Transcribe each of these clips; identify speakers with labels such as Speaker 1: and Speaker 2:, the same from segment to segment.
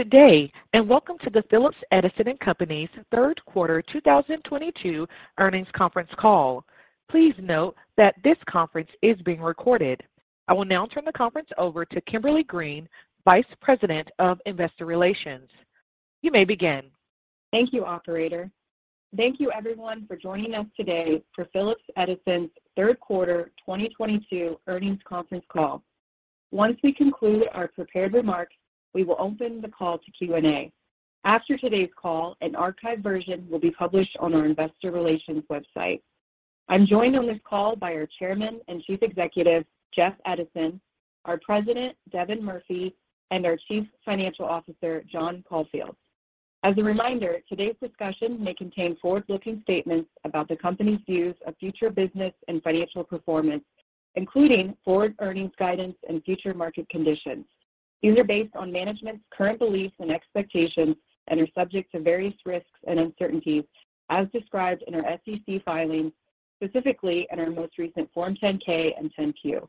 Speaker 1: Good day, and welcome to the Phillips Edison & Company's third quarter 2022 earnings conference call. Please note that this conference is being recorded. I will now turn the conference over to Kimberly Green, Vice President of Investor Relations. You may begin.
Speaker 2: Thank you, operator. Thank you everyone for joining us today for Phillips Edison & Company's third quarter 2022 earnings conference call. Once we conclude our prepared remarks, we will open the call to Q&A. After today's call, an archive version will be published on our investor relations website. I'm joined on this call by our Chairman and Chief Executive Officer, Jeff Edison, our President, Devin Murphy, and our Chief Financial Officer, John Caulfield. As a reminder, today's discussion may contain forward-looking statements about the company's views of future business and financial performance, including forward earnings guidance and future market conditions. These are based on management's current beliefs and expectations and are subject to various risks and uncertainties as described in our SEC filings, specifically in our most recent Form 10-K and 10-Q.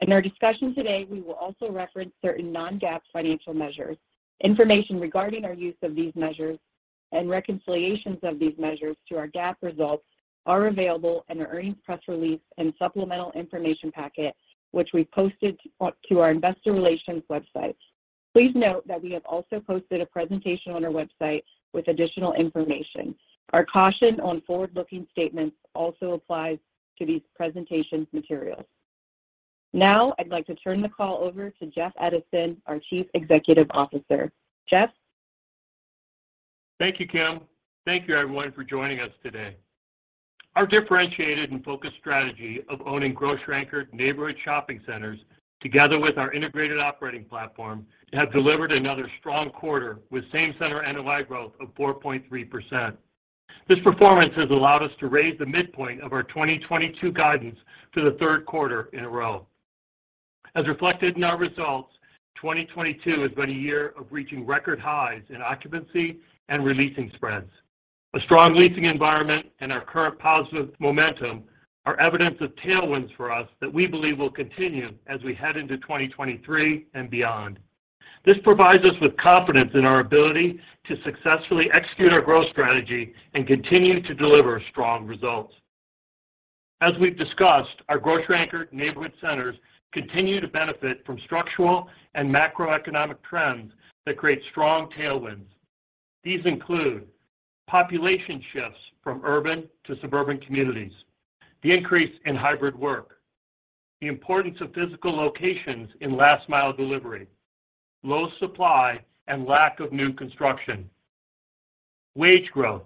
Speaker 2: In our discussion today, we will also reference certain non-GAAP financial measures. Information regarding our use of these measures and reconciliations of these measures to our GAAP results are available in our earnings press release and supplemental information packet, which we posted to our investor relations website. Please note that we have also posted a presentation on our website with additional information. Our caution on forward-looking statements also applies to these presentation materials. Now, I'd like to turn the call over to Jeff Edison, our Chief Executive Officer. Jeff?
Speaker 3: Thank you, Kim. Thank you everyone for joining us today. Our differentiated and focused strategy of owning grocery-anchored neighborhood shopping centers, together with our integrated operating platform, have delivered another strong quarter with same center NOI growth of 4.3%. This performance has allowed us to raise the midpoint of our 2022 guidance for the third quarter in a row. As reflected in our results, 2022 has been a year of reaching record highs in occupancy and releasing spreads. A strong leasing environment and our current positive momentum are evidence of tailwinds for us that we believe will continue as we head into 2023 and beyond. This provides us with confidence in our ability to successfully execute our growth strategy and continue to deliver strong results. As we've discussed, our grocery-anchored neighborhood centers continue to benefit from structural and macroeconomic trends that create strong tailwinds. These include population shifts from urban to suburban communities, the increase in hybrid work, the importance of physical locations in last mile delivery, low supply and lack of new construction, wage growth,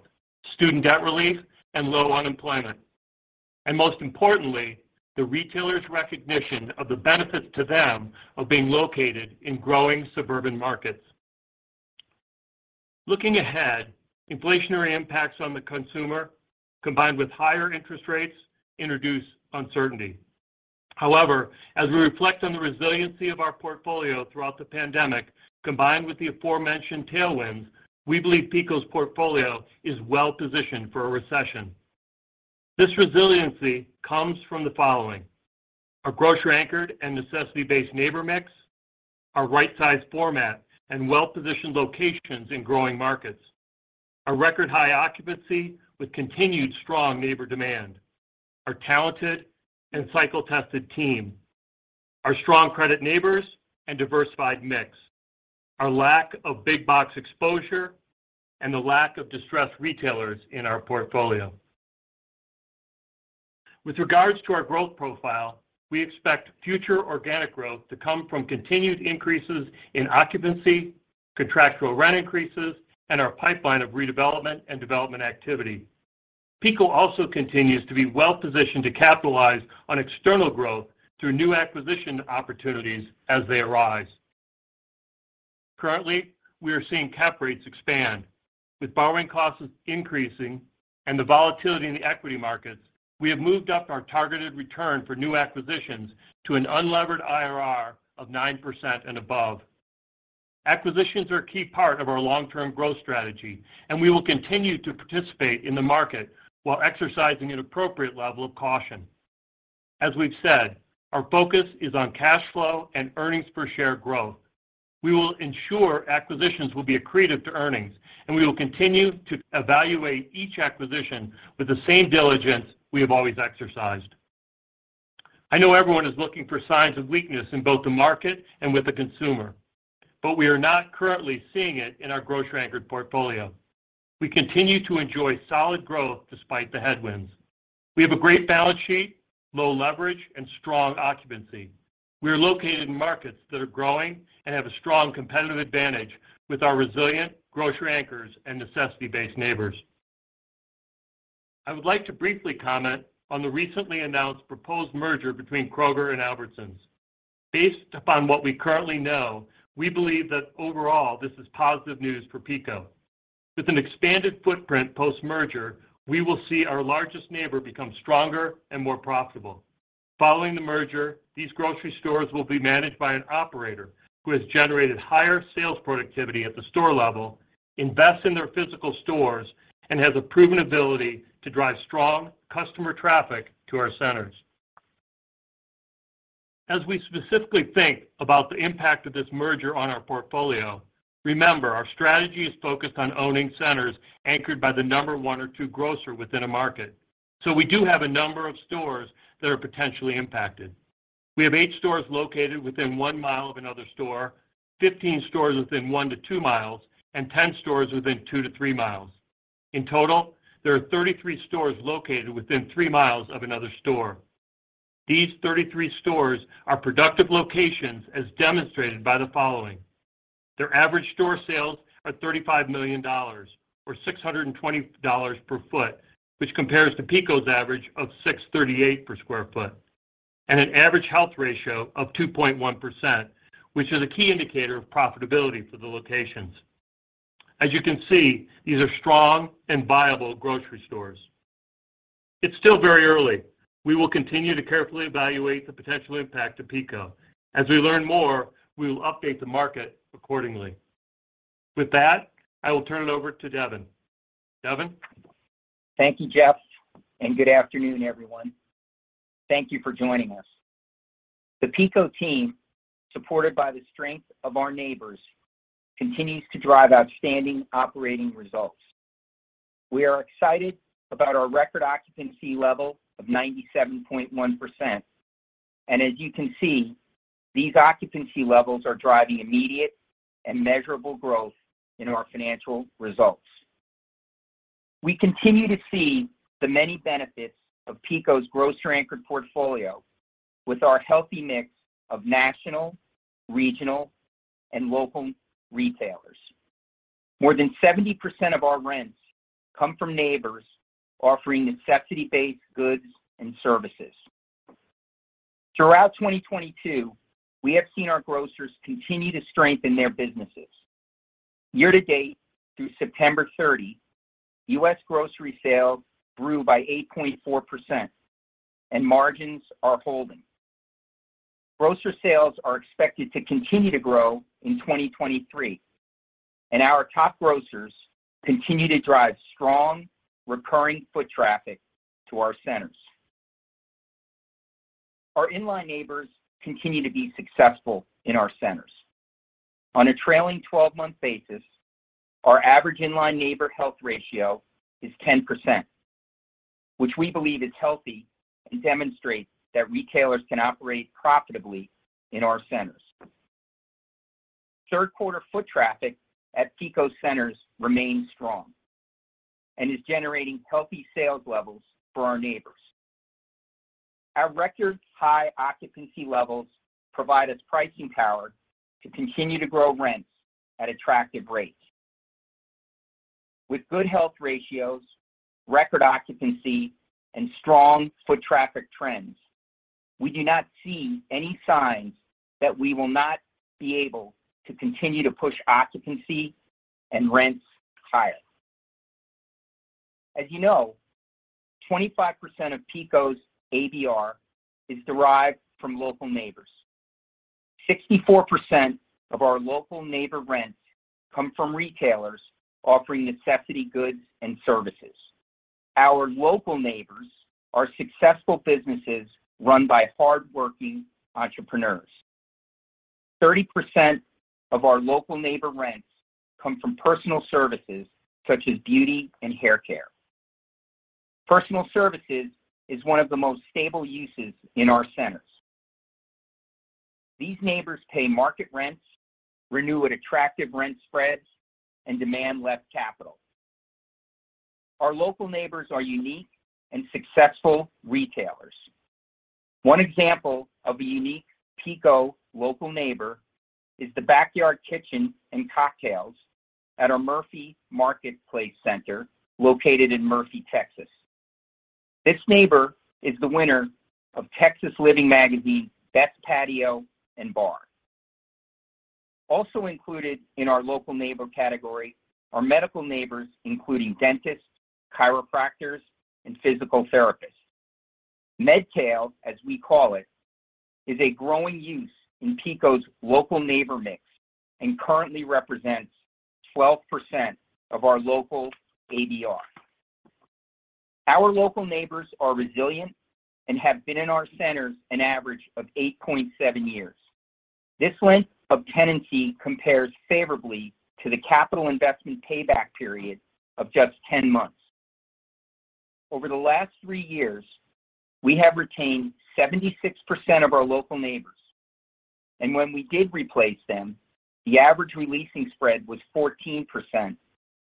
Speaker 3: student debt relief, and low unemployment, and most importantly, the retailer's recognition of the benefits to them of being located in growing suburban markets. Looking ahead, inflationary impacts on the consumer, combined with higher interest rates, introduce uncertainty. However, as we reflect on the resiliency of our portfolio throughout the pandemic, combined with the aforementioned tailwinds, we believe PECO's portfolio is well-positioned for a recession. This resiliency comes from the following. Our grocery-anchored and necessity-based Neighbor mix, our right-sized format and well-positioned locations in growing markets, our record high occupancy with continued strong Neighbor demand, our talented and cycle-tested team, our strong credit Neighbors and diversified mix, our lack of big box exposure, and the lack of distressed retailers in our portfolio. With regards to our growth profile, we expect future organic growth to come from continued increases in occupancy, contractual rent increases, and our pipeline of redevelopment and development activity. PECO also continues to be well-positioned to capitalize on external growth through new acquisition opportunities as they arise. Currently, we are seeing cap rates expand. With borrowing costs increasing and the volatility in the equity markets, we have moved up our targeted return for new acquisitions to an unlevered IRR of 9% and above. Acquisitions are a key part of our long-term growth strategy, and we will continue to participate in the market while exercising an appropriate level of caution. As we've said, our focus is on cash flow and earnings per share growth. We will ensure acquisitions will be accretive to earnings, and we will continue to evaluate each acquisition with the same diligence we have always exercised. I know everyone is looking for signs of weakness in both the market and with the consumer, but we are not currently seeing it in our grocery-anchored portfolio. We continue to enjoy solid growth despite the headwinds. We have a great balance sheet, low leverage, and strong occupancy. We are located in markets that are growing and have a strong competitive advantage with our resilient grocery anchors and necessity-based Neighbors. I would like to briefly comment on the recently announced proposed merger between Kroger and Albertsons. Based upon what we currently know, we believe that overall this is positive news for PECO. With an expanded footprint post-merger, we will see our largest Neighbor become stronger and more profitable. Following the merger, these grocery stores will be managed by an operator who has generated higher sales productivity at the store level, invest in their physical stores, and has a proven ability to drive strong customer traffic to our centers. As we specifically think about the impact of this merger on our portfolio, remember our strategy is focused on owning centers anchored by the number one or two grocer within a market. We do have a number of stores that are potentially impacted. We have eight stores located within 1 mi of another store, 15 stores within 1 mi-2 mi, and 10 stores within 2 mi-3 mi. In total, there are 33 stores located within 3 mi of another store. These 33 stores are productive locations as demonstrated by the following. Their average store sales are $35 million or $620 per foot, which compares to PECO's average of $638 per square foot. An average health ratio of 2.1%, which is a key indicator of profitability for the locations. As you can see, these are strong and viable grocery stores. It's still very early. We will continue to carefully evaluate the potential impact to PECO. As we learn more, we will update the market accordingly. With that, I will turn it over to Devin. Devin?
Speaker 4: Thank you, Jeff, and good afternoon, everyone. Thank you for joining us. The PECO team, supported by the strength of our Neighbors, continues to drive outstanding operating results. We are excited about our record occupancy level of 97.1%. As you can see, these occupancy levels are driving immediate and measurable growth in our financial results. We continue to see the many benefits of PECO's grocery-anchored portfolio with our healthy mix of national, regional, and local retailers. More than 70% of our rents come from Neighbors offering necessity-based goods and services. Throughout 2022, we have seen our grocers continue to strengthen their businesses. Year-to-date, through September 30, U.S. grocery sales grew by 8.4% and margins are holding. Grocer sales are expected to continue to grow in 2023, and our top grocers continue to drive strong recurring foot traffic to our centers. Our in-line Neighbors continue to be successful in our centers. On a trailing 12-month basis, our average in-line Neighbor health ratio is 10%, which we believe is healthy and demonstrates that retailers can operate profitably in our centers. Third quarter foot traffic at PECO centers remains strong and is generating healthy sales levels for our Neighbors. Our record high occupancy levels provide us pricing power to continue to grow rents at attractive rates. With good health ratios, record occupancy, and strong foot traffic trends, we do not see any signs that we will not be able to continue to push occupancy and rents higher. As you know, 25% of PECO's ABR is derived from local Neighbors. 64% of our local Neighbor rents come from retailers offering necessity goods and services. Our local Neighbors are successful businesses run by hardworking entrepreneurs. 30% of our local Neighbor rents come from personal services such as beauty and hair care. Personal services is one of the most stable uses in our centers. These Neighbors pay market rents, renew at attractive rent spreads, and demand less capital. Our local Neighbors are unique and successful retailers. One example of a unique PECO local Neighbor is the backyard kitchens and cocktails at our Murphy Marketplace Center located in Murphy, Texas. This Neighbor is the winner of Texasliving Magazine Best Patio and Bar. Also included in our local Neighbor category are medical Neighbors including dentists, chiropractors, and physical therapists. Medtail, as we call it, is a growing use in PECO's local Neighbor mix and currently represents 12% of our local ABR. Our local Neighbors are resilient and have been in our centers an average of 8.7 years. This length of tenancy compares favorably to the capital investment payback period of just 10 months. Over the last three years, we have retained 76% of our local Neighbors. When we did replace them, the average re-leasing spread was 14%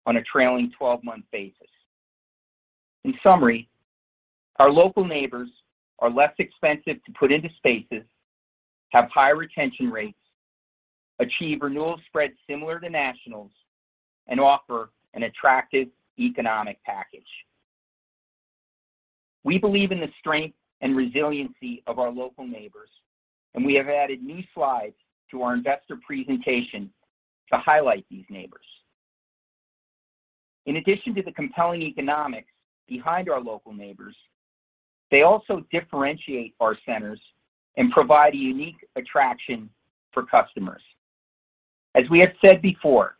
Speaker 4: on a trailing 12-month basis. In summary, our local Neighbors are less expensive to put into spaces, have high retention rates, achieve renewal spreads similar to nationals, and offer an attractive economic package. We believe in the strength and resiliency of our local Neighbors, and we have added new slides to our investor presentation to highlight these Neighbors. In addition to the compelling economics behind our local Neighbors, they also differentiate our centers and provide a unique attraction for customers. As we have said before,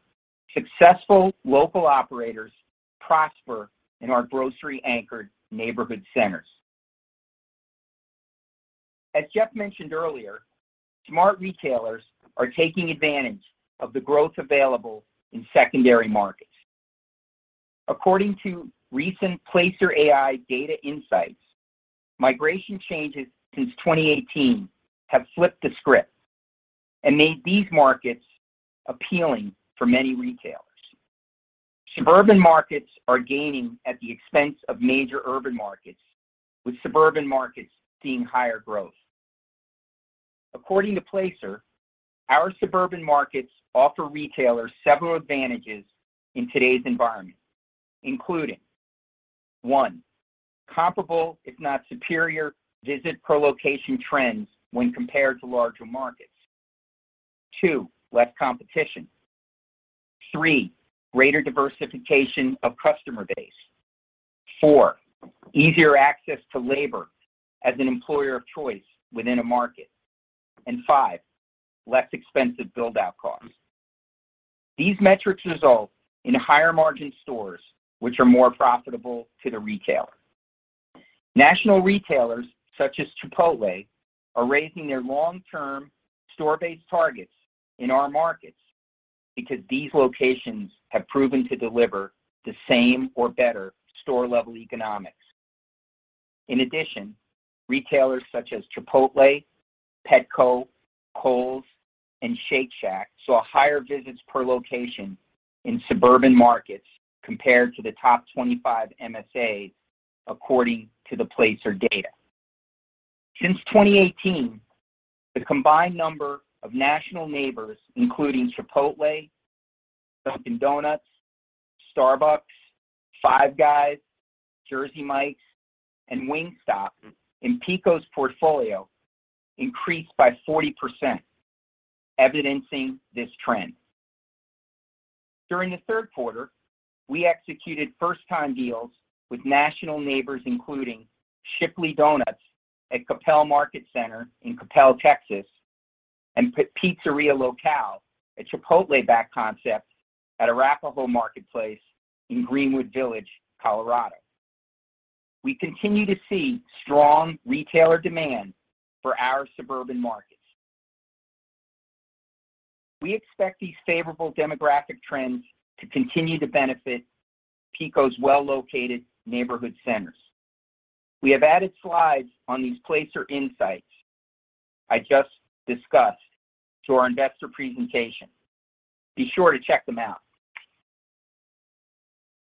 Speaker 4: successful local operators prosper in our grocery anchored neighborhood centers. As Jeff mentioned earlier, smart retailers are taking advantage of the growth available in secondary markets. According to recent Placer.ai data insights, migration changes since 2018 have flipped the script and made these markets appealing for many retailers. Suburban markets are gaining at the expense of major urban markets, with suburban markets seeing higher growth. According to Placer, our suburban markets offer retailers several advantages in today's environment, including, one, comparable if not superior visit per location trends when compared to larger markets. Two, less competition. Three, greater diversification of customer base. Four, easier access to labor as an employer of choice within a market. And five, less expensive build out costs. These metrics result in higher margin stores which are more profitable to the retailer. National retailers such as Chipotle are raising their long-term store-based targets in our markets because these locations have proven to deliver the same or better store level economics. In addition, retailers such as Chipotle, Petco, Kohl's and Shake Shack saw higher visits per location in suburban markets compared to the top 25 MSAs according to the Placer data. Since 2018, the combined number of national Neighbors, including Chipotle, Dunkin' Donuts, Starbucks, Five Guys, Jersey Mike's and Wingstop in PECO's portfolio increased by 40%, evidencing this trend. During the third quarter, we executed first time deals with national Neighbors, including Shipley Do-Nuts at Coppell Market Center in Coppell, Texas, and Pizzeria Locale, a Chipotle backed concept at Arapahoe Marketplace in Greenwood Village, Colorado. We continue to see strong retailer demand for our suburban markets. We expect these favorable demographic trends to continue to benefit PECO's well-located neighborhood centers. We have added slides on these Placer.ai Insights I just discussed to our investor presentation. Be sure to check them out.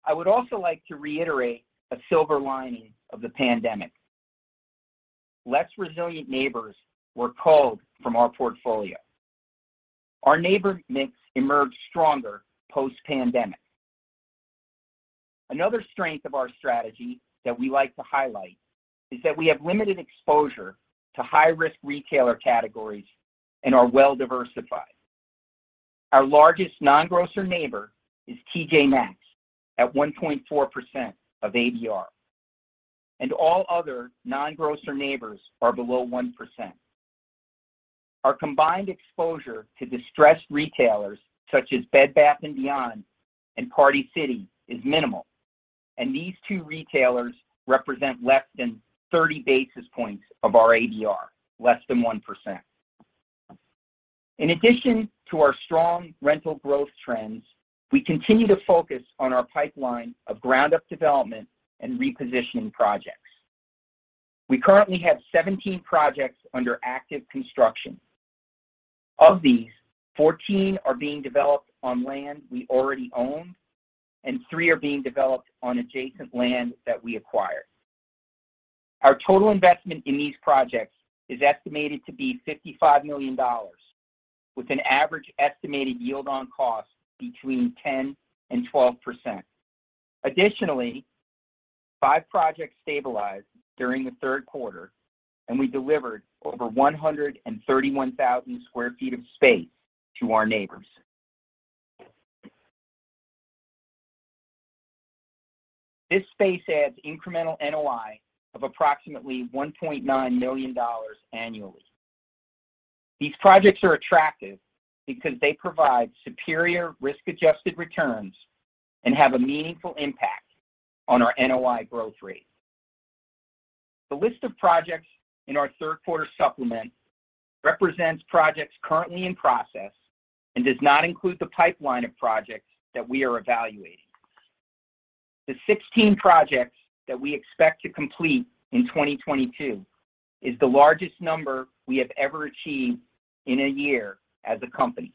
Speaker 4: I would also like to reiterate a silver lining of the pandemic. Less resilient Neighbors were culled from our portfolio. Our Neighbor mix emerged stronger post-pandemic. Another strength of our strategy that we like to highlight is that we have limited exposure to high risk retailer categories and are well diversified. Our largest non-grocer Neighbor is TJ Maxx at 1.4% of ABR, and all other non-grocer Neighbors are below 1%. Our combined exposure to distressed retailers such as Bed Bath & Beyond and Party City is minimal, and these two retailers represent less than 30 basis points of our ABR, less than 1%. In addition to our strong rental growth trends, we continue to focus on our pipeline of ground up development and repositioning projects. We currently have 17 projects under active construction. Of these, 14 are being developed on land we already own, and three are being developed on adjacent land that we acquired. Our total investment in these projects is estimated to be $55 million, with an average estimated yield on cost between 10% and 12%. Additionally, five projects stabilized during the third quarter, and we delivered over 131,000 sq ft of space to our Neighbors. This space adds incremental NOI of approximately $1.9 million annually. These projects are attractive because they provide superior risk adjusted returns and have a meaningful impact on our NOI growth rate. The list of projects in our third quarter supplement represents projects currently in process and does not include the pipeline of projects that we are evaluating. The 16 projects that we expect to complete in 2022 is the largest number we have ever achieved in a year as a company.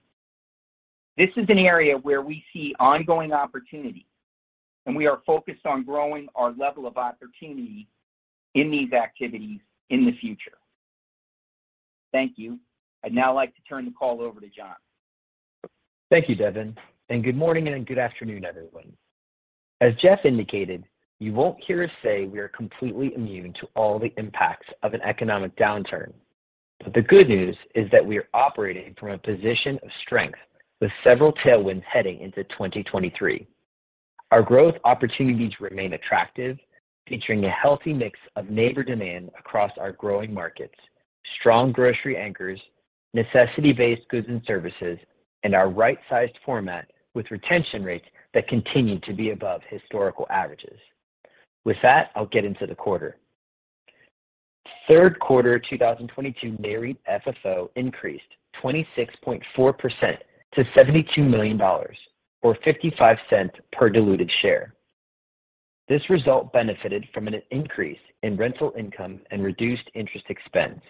Speaker 4: This is an area where we see ongoing opportunity and we are focused on growing our level of opportunity in these activities in the future. Thank you. I'd now like to turn the call over to John.
Speaker 5: Thank you, Devin, and good morning and good afternoon, everyone. As Jeff indicated, you won't hear us say we are completely immune to all the impacts of an economic downturn. The good news is that we are operating from a position of strength with several tailwinds heading into 2023. Our growth opportunities remain attractive, featuring a healthy mix of Neighbor demand across our growing markets, strong grocery anchors, necessity-based goods and services, and our right-sized format with retention rates that continue to be above historical averages. With that, I'll get into the quarter. Third quarter 2022 Nareit FFO increased 26.4% to $72 million, or $0.55 per diluted share. This result benefited from an increase in rental income and reduced interest expense.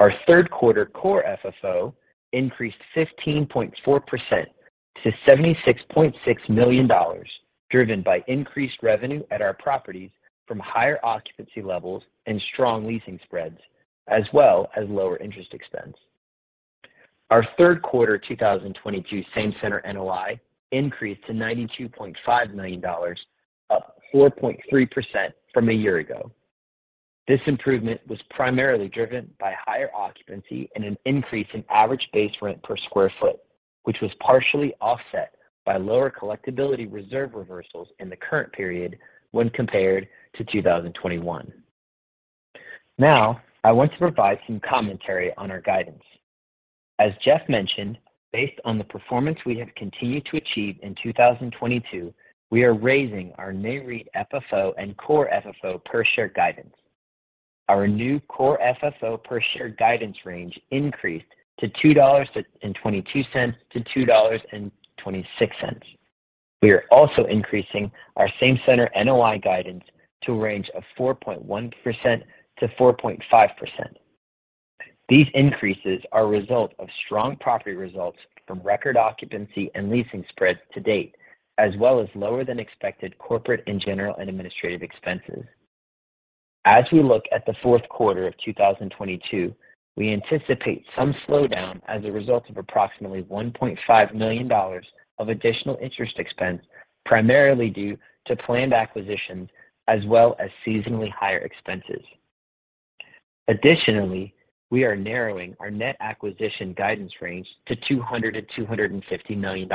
Speaker 5: Our third quarter Core FFO increased 15.4% to $76.6 million, driven by increased revenue at our properties from higher occupancy levels and strong leasing spreads, as well as lower interest expense. Our third quarter 2022 same center NOI increased to $92.5 million, up 4.3% from a year ago. This improvement was primarily driven by higher occupancy and an increase in average base rent per square foot, which was partially offset by lower collectibility reserve reversals in the current period when compared to 2021. Now, I want to provide some commentary on our guidance. As Jeff mentioned, based on the performance we have continued to achieve in 2022, we are raising our Nareit FFO and Core FFO per share guidance. Our new Core FFO per share guidance range increased to $2.22-$2.26. We are also increasing our same center NOI guidance to a range of 4.1%-4.5%. These increases are a result of strong property results from record occupancy and leasing spreads to date, as well as lower than expected corporate and general and administrative expenses. As we look at the fourth quarter of 2022, we anticipate some slowdown as a result of approximately $1.5 million of additional interest expense, primarily due to planned acquisitions as well as seasonally higher expenses. Additionally, we are narrowing our net acquisition guidance range to $200 million-$250 million.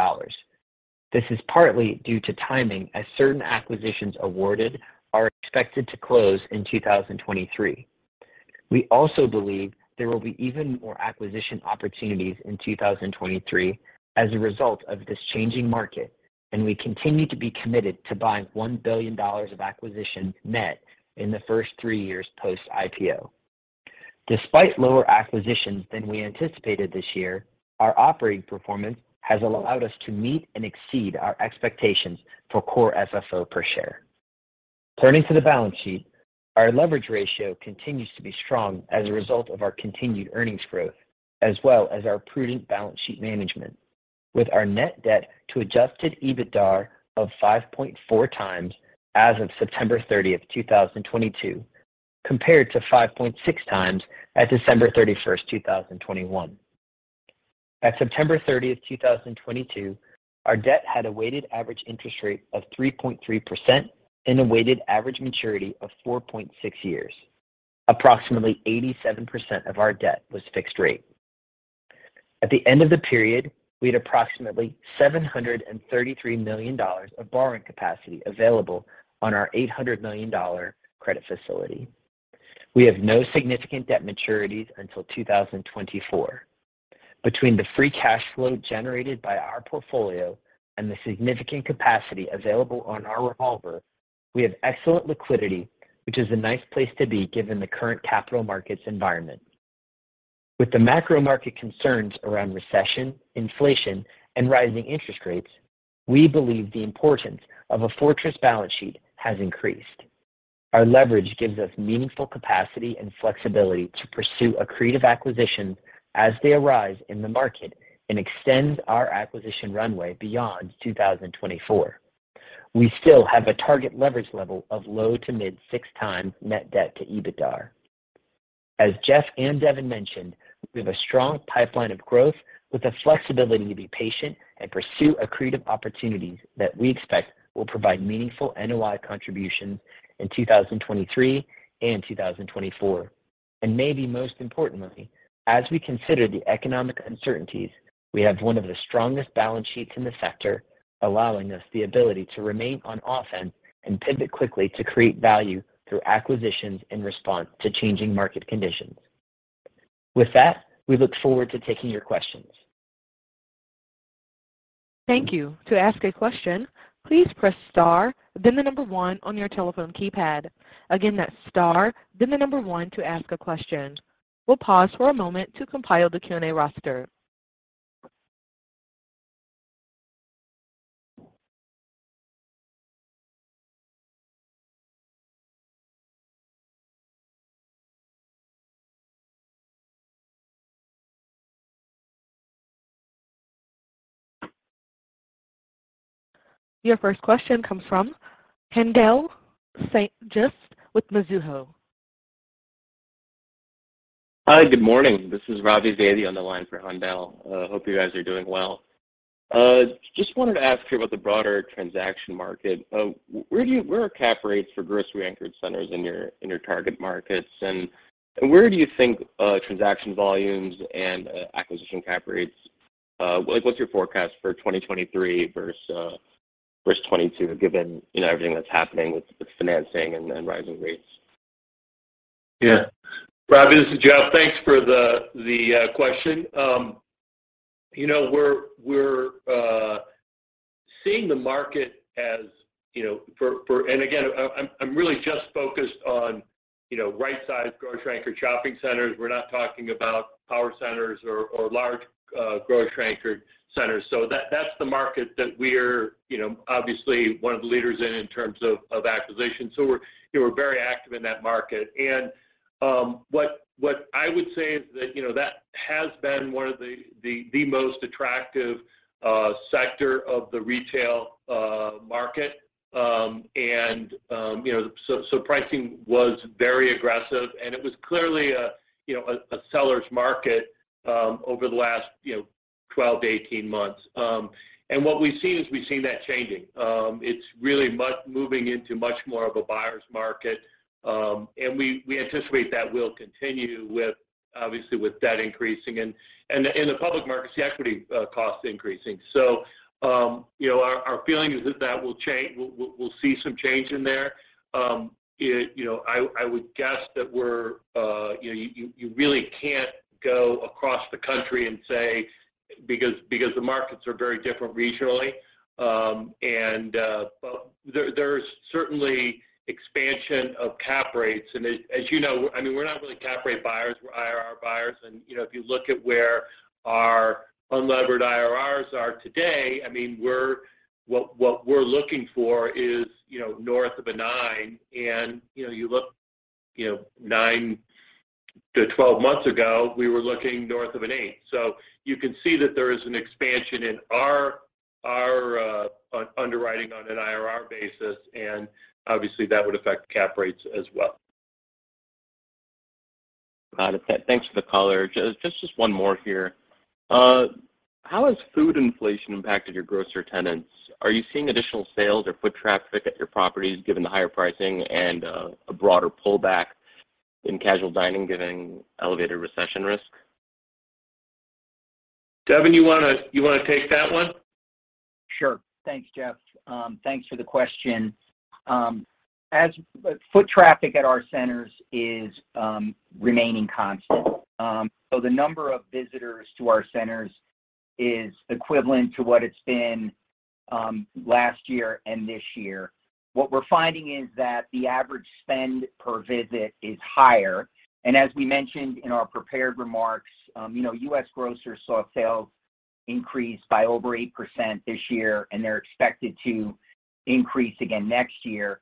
Speaker 5: This is partly due to timing as certain acquisitions awarded are expected to close in 2023. We also believe there will be even more acquisition opportunities in 2023 as a result of this changing market, and we continue to be committed to buying $1 billion of acquisition net in the first three years post-IPO. Despite lower acquisitions than we anticipated this year, our operating performance has allowed us to meet and exceed our expectations for Core FFO per share. Turning to the balance sheet, our leverage ratio continues to be strong as a result of our continued earnings growth as well as our prudent balance sheet management. With our net debt to adjusted EBITDA of 5.4x as of September 30th, 2022, compared to 5.6x at December 31st, 2021. At September 30th, 2022, our debt had a weighted average interest rate of 3.3% and a weighted average maturity of 4.6 years. Approximately 87% of our debt was fixed rate. At the end of the period, we had approximately $733 million of borrowing capacity available on our $800 million credit facility. We have no significant debt maturities until 2024. Between the free cash flow generated by our portfolio and the significant capacity available on our revolver, we have excellent liquidity, which is a nice place to be given the current capital markets environment. With the macro market concerns around recession, inflation, and rising interest rates, we believe the importance of a fortress balance sheet has increased. Our leverage gives us meaningful capacity and flexibility to pursue accretive acquisitions as they arise in the market and extend our acquisition runway beyond 2024. We still have a target leverage level of low- to mid-6x net debt to EBITDA. As Jeff and Devin mentioned, we have a strong pipeline of growth with the flexibility to be patient and pursue accretive opportunities that we expect will provide meaningful NOI contributions in 2023 and 2024. Maybe most importantly, as we consider the economic uncertainties, we have one of the strongest balance sheets in the sector, allowing us the ability to remain on offense and pivot quickly to create value through acquisitions in response to changing market conditions. With that, we look forward to taking your questions.
Speaker 1: Thank you. To ask a question, please press star, then the number one on your telephone keypad. Again, that's star, then the number one to ask a question. We'll pause for a moment to compile the Q&A roster. Your first question comes from Haendel St. Juste with Mizuho.
Speaker 6: Hi. Good morning. This is Ravi Vaidya on the line for Haendel. Hope you guys are doing well. Just wanted to ask you about the broader transaction market. Where are cap rates for grocery-anchored centers in your target markets? Where do you think transaction volumes and acquisition cap rates—like, what's your forecast for 2023 versus 2022, given, you know, everything that's happening with financing and then rising rates?
Speaker 3: Yeah. Ravi, this is Jeff. Thanks for the question. You know, we're seeing the market as, you know. I'm really just focused on, you know, right-sized grocery-anchored shopping centers. We're not talking about power centers or large grocery-anchored centers. That's the market that we're, you know, obviously one of the leaders in terms of acquisition. We're, you know, very active in that market. What I would say is that, you know, that has been one of the most attractive sector of the retail market. You know, pricing was very aggressive, and it was clearly a, you know, a seller's market over the last, you know, 12-18 months. What we've seen is that changing. It's really moving into much more of a buyer's market. We anticipate that will continue with, obviously with debt increasing and the public markets, the equity costs increasing. You know, our feeling is that will change. We'll see some change in there. You know, I would guess that, you know, you really can't go across the country and say because the markets are very different regionally. But there's certainly expansion of cap rates. As you know, I mean, we're not really cap rate buyers, we're IRR buyers. You know, if you look at where our unlevered IRRs are today, I mean, what we're looking for is, you know, north of 9%. You know, you look, you know, nine to 12 months ago, we were looking north of 8%. You can see that there is an expansion in our underwriting on an IRR basis, and obviously that would affect cap rates as well.
Speaker 6: Got it. Thanks for the color. Just one more here. How has food inflation impacted your grocer tenants? Are you seeing additional sales or foot traffic at your properties given the higher pricing and a broader pullback in casual dining, given elevated recession risk?
Speaker 3: Devin, you wanna take that one?
Speaker 4: Sure. Thanks, Jeff. Thanks for the question. Foot traffic at our centers is remaining constant. The number of visitors to our centers is equivalent to what it's been last year and this year. What we're finding is that the average spend per visit is higher. As we mentioned in our prepared remarks, you know, U.S. grocers saw sales increase by over 8% this year, and they're expected to increase again next year.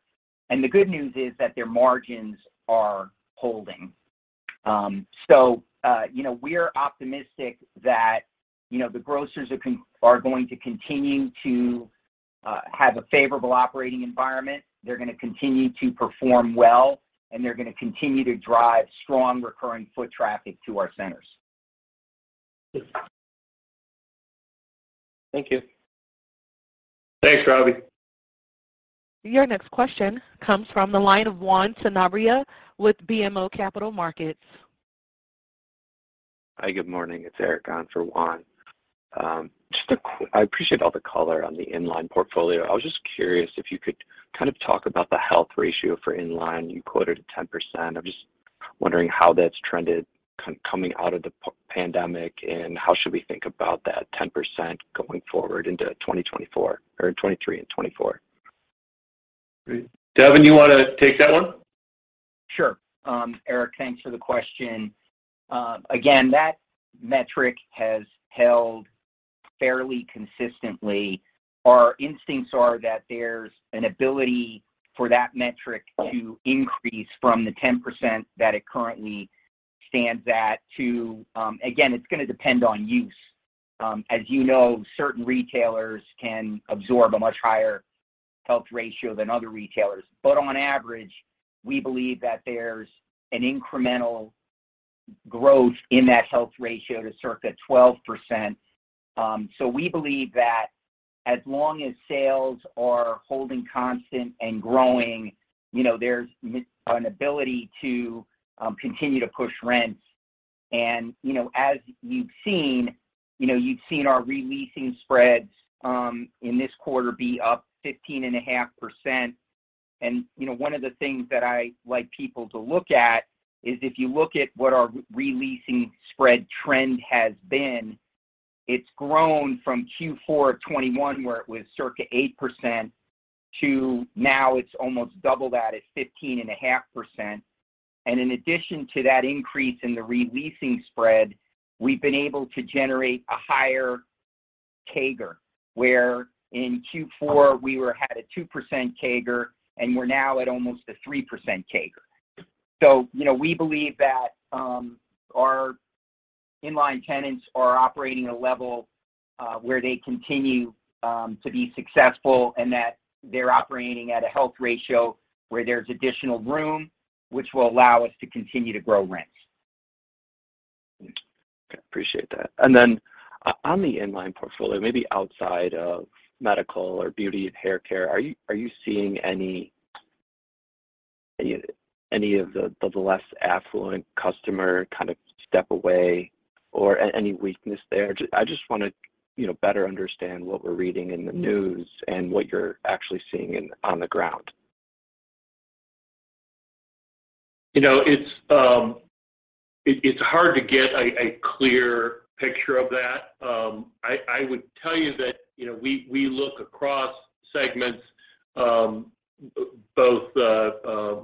Speaker 4: The good news is that their margins are holding. You know, we're optimistic that, you know, the grocers are going to continue to have a favorable operating environment. They're gonna continue to perform well, and they're gonna continue to drive strong recurring foot traffic to our centers.
Speaker 6: Thank you.
Speaker 3: Thanks, Ravi.
Speaker 1: Your next question comes from the line of Juan Sanabria with BMO Capital Markets.
Speaker 7: Hi, good morning. It's Eric on for Juan. I appreciate all the color on the inline portfolio. I was just curious if you could kind of talk about the health ratio for inline. You quoted 10%. I'm just wondering how that's trended coming out of the pandemic, and how should we think about that 10% going forward into 2024 or 2023 and 2024?
Speaker 3: Great. Devin, you wanna take that one?
Speaker 4: Sure. Eric, thanks for the question. Again, that metric has held fairly consistently. Our instincts are that there's an ability for that metric to increase from the 10% that it currently stands at to, again, it's gonna depend on use. As you know, certain retailers can absorb a much higher health ratio than other retailers. On average, we believe that there's an incremental growth in that health ratio to circa 12%. We believe that as long as sales are holding constant and growing, you know, there's an ability to continue to push rents. You know, as you've seen, you've seen our re-leasing spreads in this quarter be up 15.5%. You know, one of the things that I like people to look at is if you look at what our re-leasing spread trend has been. It's grown from Q4 of 2021, where it was circa 8% to now it's almost double that at 15.5%. In addition to that increase in the re-leasing spread, we've been able to generate a higher CAGR, where in Q4 we had a 2% CAGR, and we're now at almost a 3% CAGR. You know, we believe that our inline tenants are operating at a level where they continue to be successful and that they're operating at a health ratio where there's additional room, which will allow us to continue to grow rent.
Speaker 7: Appreciate that. On the inline portfolio, maybe outside of medical or beauty and hair care, are you seeing any of the less affluent customer kind of step away or any weakness there? I just wanna, you know, better understand what we're reading in the news and what you're actually seeing on the ground.
Speaker 3: You know, it's hard to get a clear picture of that. I would tell you that, you know, we look across segments, both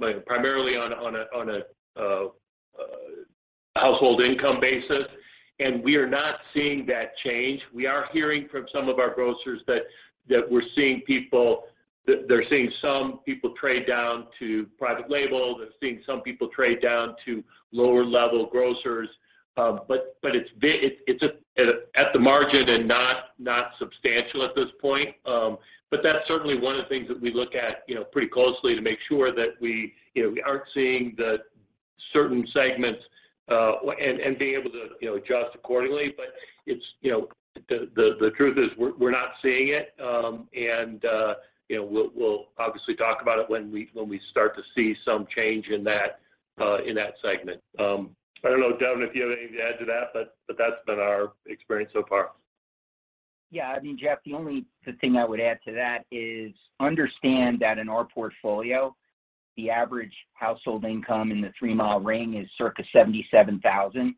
Speaker 3: like primarily on a household income basis, and we are not seeing that change. We are hearing from some of our grocers that they're seeing some people trade down to private label. They're seeing some people trade down to lower level grocers. It's at the margin and not substantial at this point. That's certainly one of the things that we look at, you know, pretty closely to make sure that we, you know, we aren't seeing the certain segments and being able to, you know, adjust accordingly. It's, you know, the truth is we're not seeing it, and you know, we'll obviously talk about it when we start to see some change in that segment. I don't know, Devin, if you have anything to add to that, but that's been our experience so far.
Speaker 4: Yeah. I mean, Jeff, the only thing I would add to that is understand that in our portfolio, the average household income in the 3 mi ring is circa $77,000.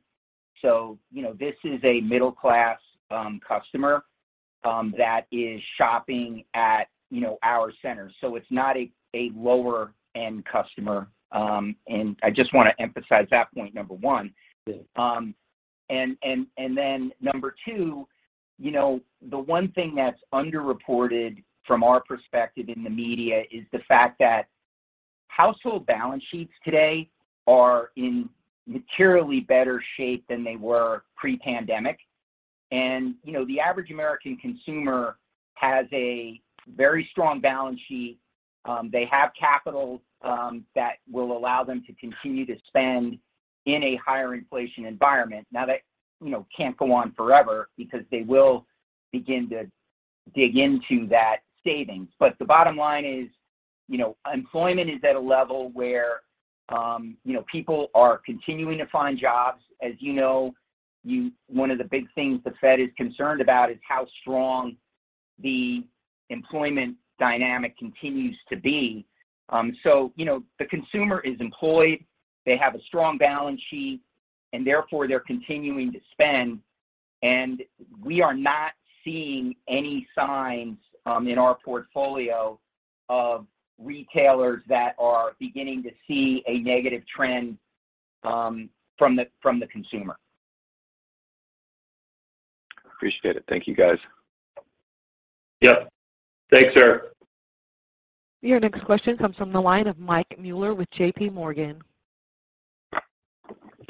Speaker 4: You know, this is a middle class customer that is shopping at, you know, our center. It's not a lower-end customer, and I just wanna emphasize that point, number one.
Speaker 3: Yeah.
Speaker 4: Then number two, you know, the one thing that's underreported from our perspective in the media is the fact that household balance sheets today are in materially better shape than they were pre-pandemic. You know, the average American consumer has a very strong balance sheet. They have capital that will allow them to continue to spend in a higher inflation environment. Now that can't go on forever because they will begin to dig into that savings. The bottom line is, you know, employment is at a level where people are continuing to find jobs. As you know, one of the big things the Fed is concerned about is how strong the employment dynamic continues to be. You know, the consumer is employed, they have a strong balance sheet, and therefore, they're continuing to spend. We are not seeing any signs in our portfolio of retailers that are beginning to see a negative trend from the consumer.
Speaker 7: Appreciate it. Thank you, guys.
Speaker 3: Yep. Thanks, Eric.
Speaker 1: Your next question comes from the line of Mike Mueller with JPMorgan.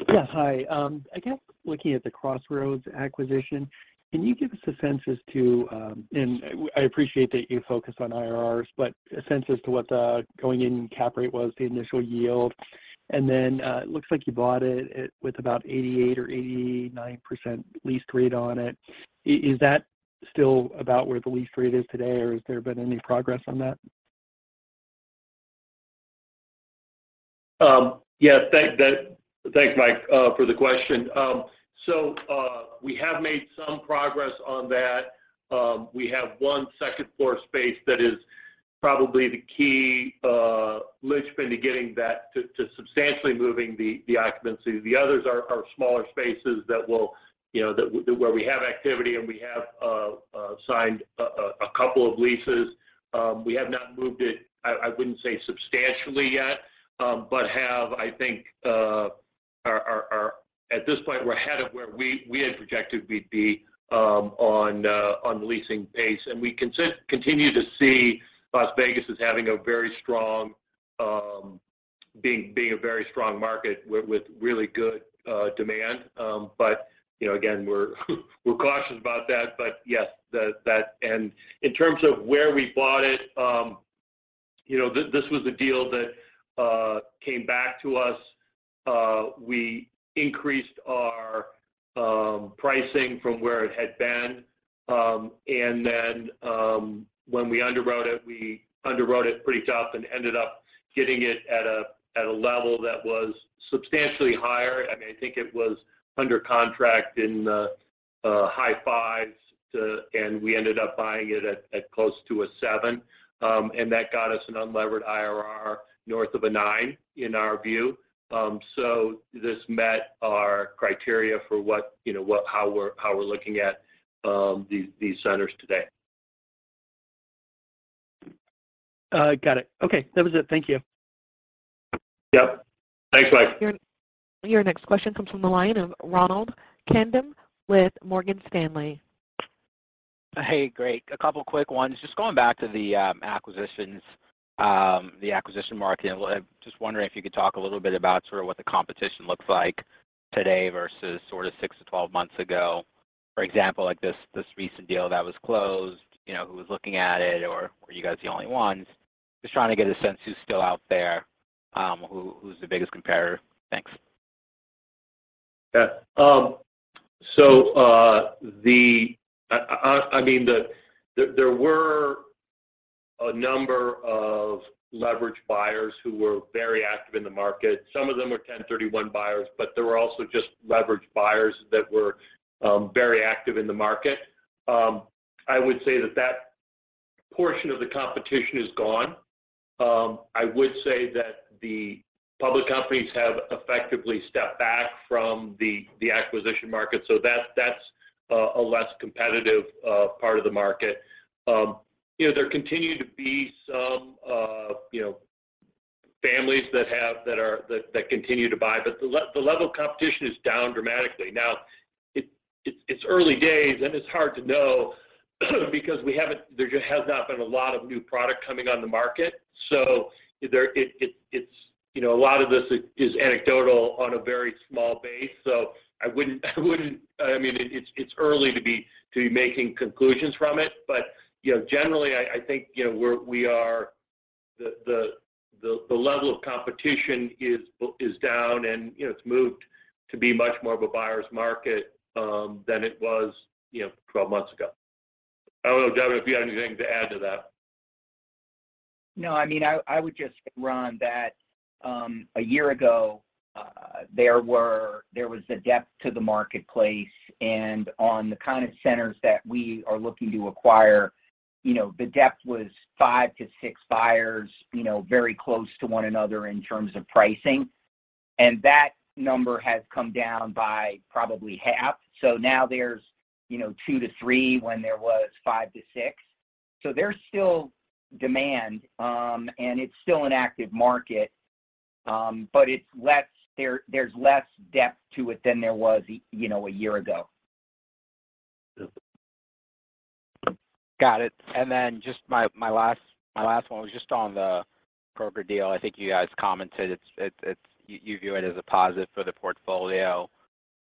Speaker 8: Yeah. Hi. I guess looking at the Crossroads acquisition, can you give us a sense as to, I appreciate that you focus on IRRs, but a sense as to what the going in cap rate was, the initial yield. It looks like you bought it at with about 88% or 89% lease rate on it. Is that still about where the lease rate is today, or has there been any progress on that?
Speaker 3: Yes. Thanks, Mike, for the question. We have made some progress on that. We have one second floor space that is probably the key linchpin to getting that to substantially moving the occupancy. The others are smaller spaces that will, you know, where we have activity, and we have signed a couple of leases. We have not moved it. I wouldn't say substantially yet, but at this point, we're ahead of where we had projected we'd be on the leasing pace. We continue to see Las Vegas as having a very strong, being a very strong market with really good demand. You know, again, we're cautious about that. In terms of where we bought it, you know, this was a deal that came back to us. We increased our pricing from where it had been. And then, when we underwrote it, we underwrote it pretty tough and ended up getting it at a level that was substantially higher. I mean, I think it was under contract in high fives and we ended up buying it at close to a 7%. And that got us an unlevered IRR north of a 9% in our view. This met our criteria for what, you know, how we're looking at these centers today.
Speaker 8: Got it. Okay. That was it. Thank you.
Speaker 3: Yep. Thanks, Mike.
Speaker 1: Your next question comes from the line of Ronald Kamdem with Morgan Stanley.
Speaker 9: Hey. Great. A couple quick ones. Just going back to the acquisitions, the acquisition market. Just wondering if you could talk a little bit about sort of what the competition looks like today versus sort of six to 12 months ago. For example, like this recent deal that was closed, you know, who was looking at it or were you guys the only ones? Just trying to get a sense who's still out there, who's the biggest competitor. Thanks.
Speaker 3: Yeah. So, I mean, there were a number of leverage buyers who were very active in the market. Some of them were 1031 buyers, but there were also just leverage buyers that were very active in the market. I would say that portion of the competition is gone. I would say that the public companies have effectively stepped back from the acquisition market, so that's a less competitive part of the market. You know, there continue to be some you know, families that continue to buy, but the level of competition is down dramatically. It's early days, and it's hard to know because there has not been a lot of new product coming on the market. So there. It's, you know, a lot of this is anecdotal on a very small base. I wouldn't. I mean, it's early to be making conclusions from it. You know, generally I think, you know, we are the level of competition is down and, you know, it's moved to be much more of a buyer's market than it was, you know, 12 months ago. I don't know, Devin, if you have anything to add to that.
Speaker 4: No, I mean, I would just add, Ronald, that a year ago there was the depth to the marketplace, and on the kind of centers that we are looking to acquire, you know, the depth was five to six buyers, you know, very close to one another in terms of pricing. That number has come down by probably half. Now there's, you know, two to three when there was five to six. There's still demand, and it's still an active market, but there's less depth to it than there was you know, a year ago.
Speaker 9: Got it. Just my last one was just on the Kroger deal. I think you guys commented it's. You view it as a positive for the portfolio.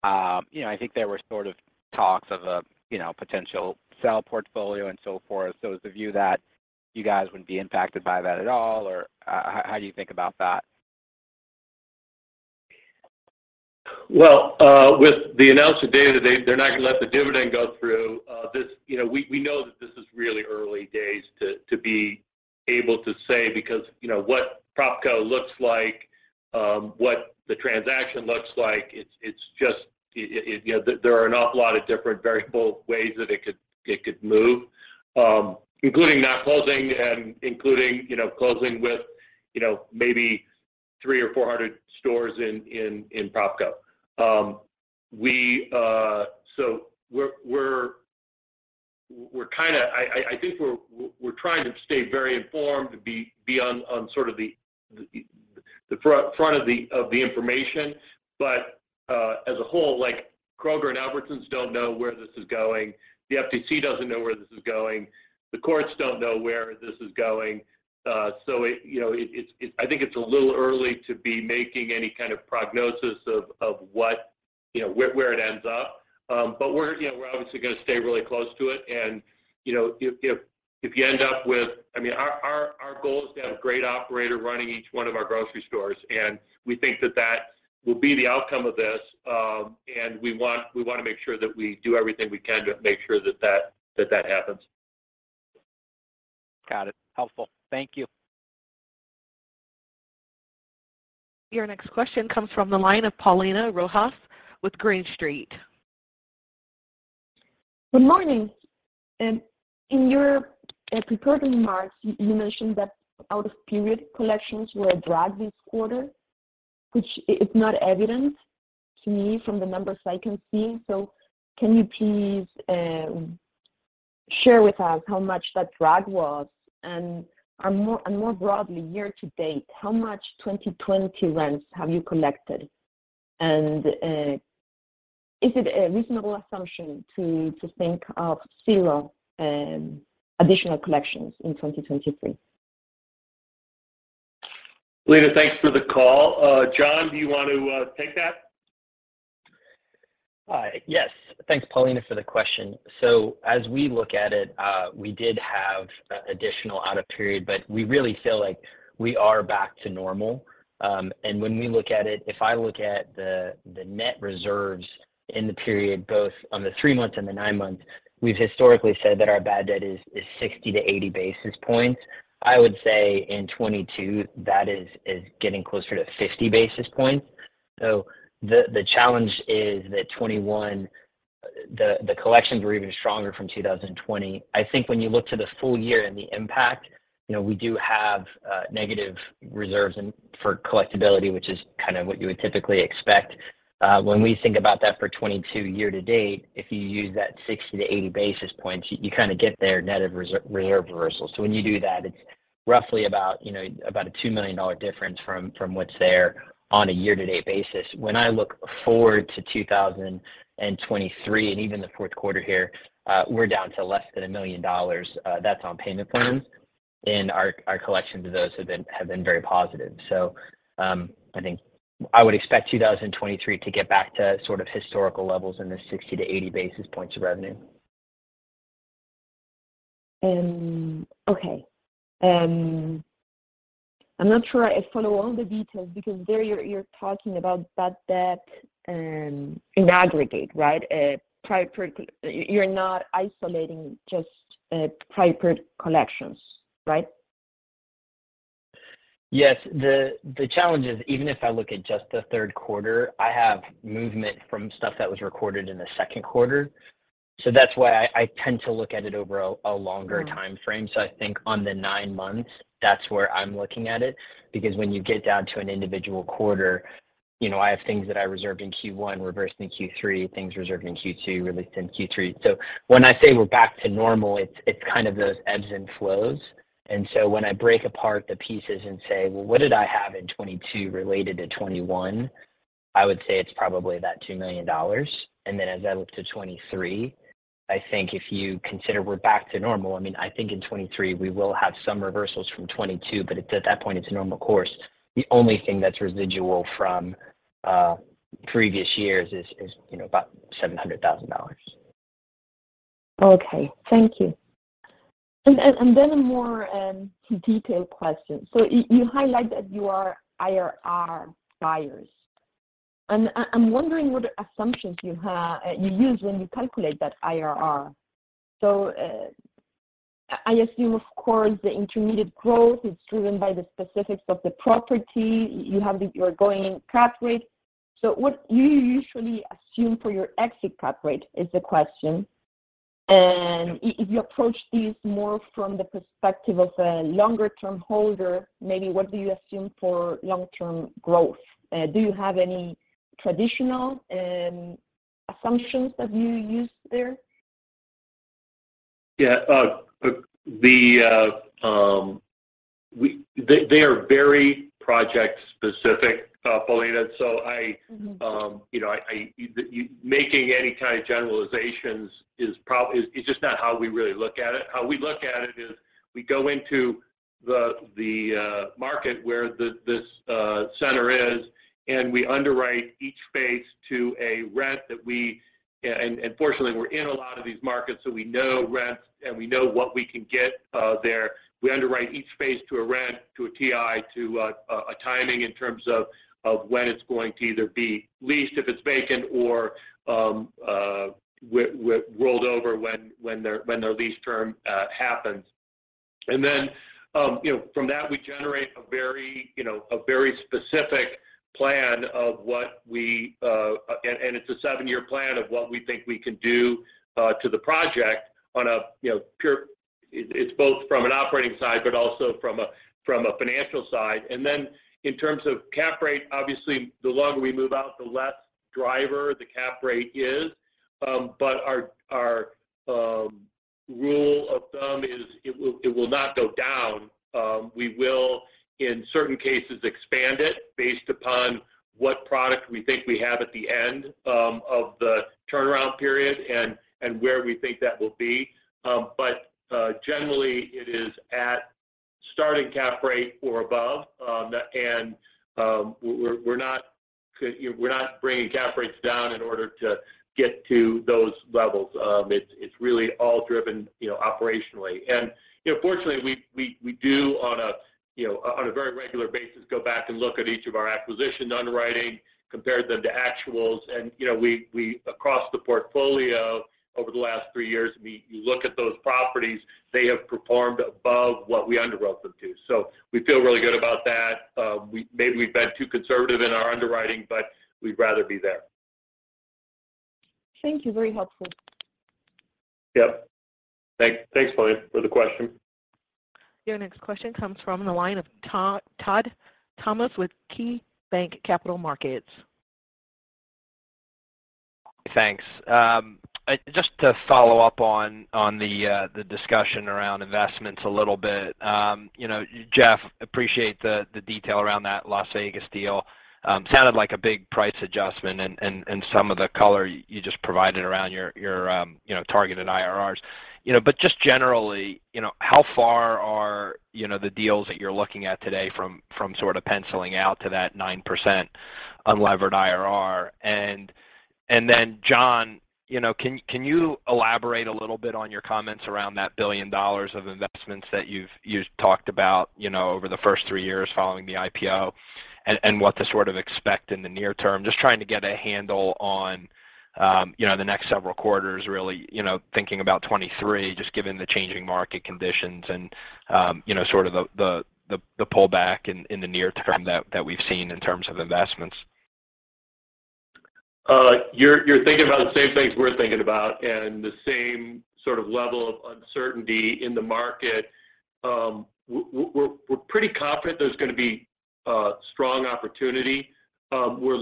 Speaker 9: You know, I think there were sort of talks of a, you know, potential sale portfolio and so forth. Is the view that you guys wouldn't be impacted by that at all, or how do you think about that?
Speaker 3: Well, with the announcement today that they're not gonna let the dividend go through. You know, we know that this is really early days to be able to say because, you know, what PropCo looks like, what the transaction looks like, it's just you know there are an awful lot of different various ways that it could move, including not closing and including, you know, closing with, you know, maybe 300 or 400 stores in PropCo. I think we're trying to stay very informed, to be on sort of the front of the information. As a whole, like, Kroger and Albertsons don't know where this is going. The FTC doesn't know where this is going. The courts don't know where this is going. I think it's a little early to be making any kind of prognosis of what, you know, where it ends up. We're obviously gonna stay really close to it. If you end up with I mean, our goal is to have a great operator running each one of our grocery stores, and we think that that will be the outcome of this. We want to make sure that we do everything we can to make sure that that happens.
Speaker 9: Got it. Helpful. Thank you.
Speaker 1: Your next question comes from the line of Paulina Rojas with Green Street.
Speaker 10: Good morning. In your prepared remarks, you mentioned that out-of-period collections were a drag this quarter, which is not evident to me from the numbers I can see. Can you please share with us how much that drag was? And more broadly, year to date, how much 2020 rents have you collected? Is it a reasonable assumption to think of zero additional collections in 2023?
Speaker 3: Paulina, thanks for the call. John, do you want to take that?
Speaker 5: Yes. Thanks, Paulina, for the question. As we look at it, we did have additional out of period, but we really feel like we are back to normal. When we look at it, if I look at the net reserves in the period, both on the three-month and the nine-month, we've historically said that our bad debt is 60-80 basis points. I would say in 2022, that is getting closer to 50 basis points. The challenge is that 2021, the collections were even stronger from 2020. I think when you look to the full year and the impact, you know, we do have negative reserves and for collectibility, which is kind of what you would typically expect. When we think about that for 2022 year-to-date, if you use that 60-80 basis points, you kind of get there net of reserve reversals. When you do that, it's roughly about, you know, about a $2 million difference from what's there on a year-to-date basis. When I look forward to 2023 and even the fourth quarter here, we're down to less than $1 million, that's on payment plans. In our collections, those have been very positive. I think I would expect 2023 to get back to sort of historical levels in the 60-80 basis points of revenue.
Speaker 10: Okay. I'm not sure I follow all the details because there you're talking about bad debt in aggregate, right? You're not isolating just prior collections, right?
Speaker 5: Yes. The challenge is even if I look at just the third quarter, I have movement from stuff that was recorded in the second quarter. That's why I tend to look at it over a longer timeframe. I think on the nine months, that's where I'm looking at it, because when you get down to an individual quarter, you know, I have things that I reserved in Q1, reversed in Q3, things reserved in Q2, released in Q3. When I say we're back to normal, it's kind of those ebbs and flows. When I break apart the pieces and say, "Well, what did I have in 2022 related to 2021?" I would say it's probably that $2 million. Then as I look to 2023, I think if you consider we're back to normal, I mean, I think in 2023 we will have some reversals from 2022, but at that point it's a normal course. The only thing that's residual from previous years is you know, about $700,000.
Speaker 10: Okay. Thank you. A more detailed question. You highlight that you are IRR buyers. I'm wondering what assumptions you use when you calculate that IRR. I assume, of course, the intermediate growth is driven by the specifics of the property. What do you usually assume for your exit cap rate is the question. If you approach this more from the perspective of a longer-term holder, maybe what do you assume for long-term growth? Do you have any traditional assumptions that you use there?
Speaker 3: They are very project specific, Paulina.
Speaker 10: Mm-hmm.
Speaker 3: You know, making any kind of generalizations is just not how we really look at it. How we look at it is we go into the market where this center is, and we underwrite each space to a rent that we and fortunately, we're in a lot of these markets, so we know rents, and we know what we can get there. We underwrite each space to a rent, to a TI, to a timing in terms of when it's going to either be leased if it's vacant or rolled over when their lease term happens. From that, we generate a very specific plan of what we think we can do to the project. It's a seven-year plan of what we think we can do to the project. It's both from an operating side, but also from a financial side. In terms of cap rate, obviously, the longer we move out, the less of a driver the cap rate is. Our rule of thumb is it will not go down. We will, in certain cases, expand it based upon what product we think we have at the end of the turnaround period and where we think that will be. Generally, it is at starting cap rate or above. We're not bringing cap rates down in order to get to those levels. It's really all driven, you know, operationally. You know, fortunately, we do on a very regular basis go back and look at each of our acquisition underwriting, compare them to actuals. You know, across the portfolio over the last three years, you look at those properties, they have performed above what we underwrote them to. We feel really good about that. Maybe we've been too conservative in our underwriting, but we'd rather be there.
Speaker 10: Thank you. Very helpful.
Speaker 3: Yep. Thanks, Paulina, for the question.
Speaker 1: Your next question comes from the line of Todd Thomas with KeyBanc Capital Markets.
Speaker 11: Thanks. Just to follow up on the discussion around investments a little bit. You know, Jeff, appreciate the detail around that Las Vegas deal. Sounded like a big price adjustment and some of the color you just provided around your targeted IRRs. You know, just generally, you know, how far are the deals that you're looking at today from sort of penciling out to that 9% unlevered IRR? Then, John, you know, can you elaborate a little bit on your comments around that $1 billion of investments that you talked about over the first three years following the IPO and what to sort of expect in the near term? Just trying to get a handle on, you know, the next several quarters, really, you know, thinking about 2023, just given the changing market conditions and, you know, sort of the pullback in the near term that we've seen in terms of investments.
Speaker 3: You're thinking about the same things we're thinking about and the same sort of level of uncertainty in the market. We're pretty confident there's gonna be a strong opportunity. We're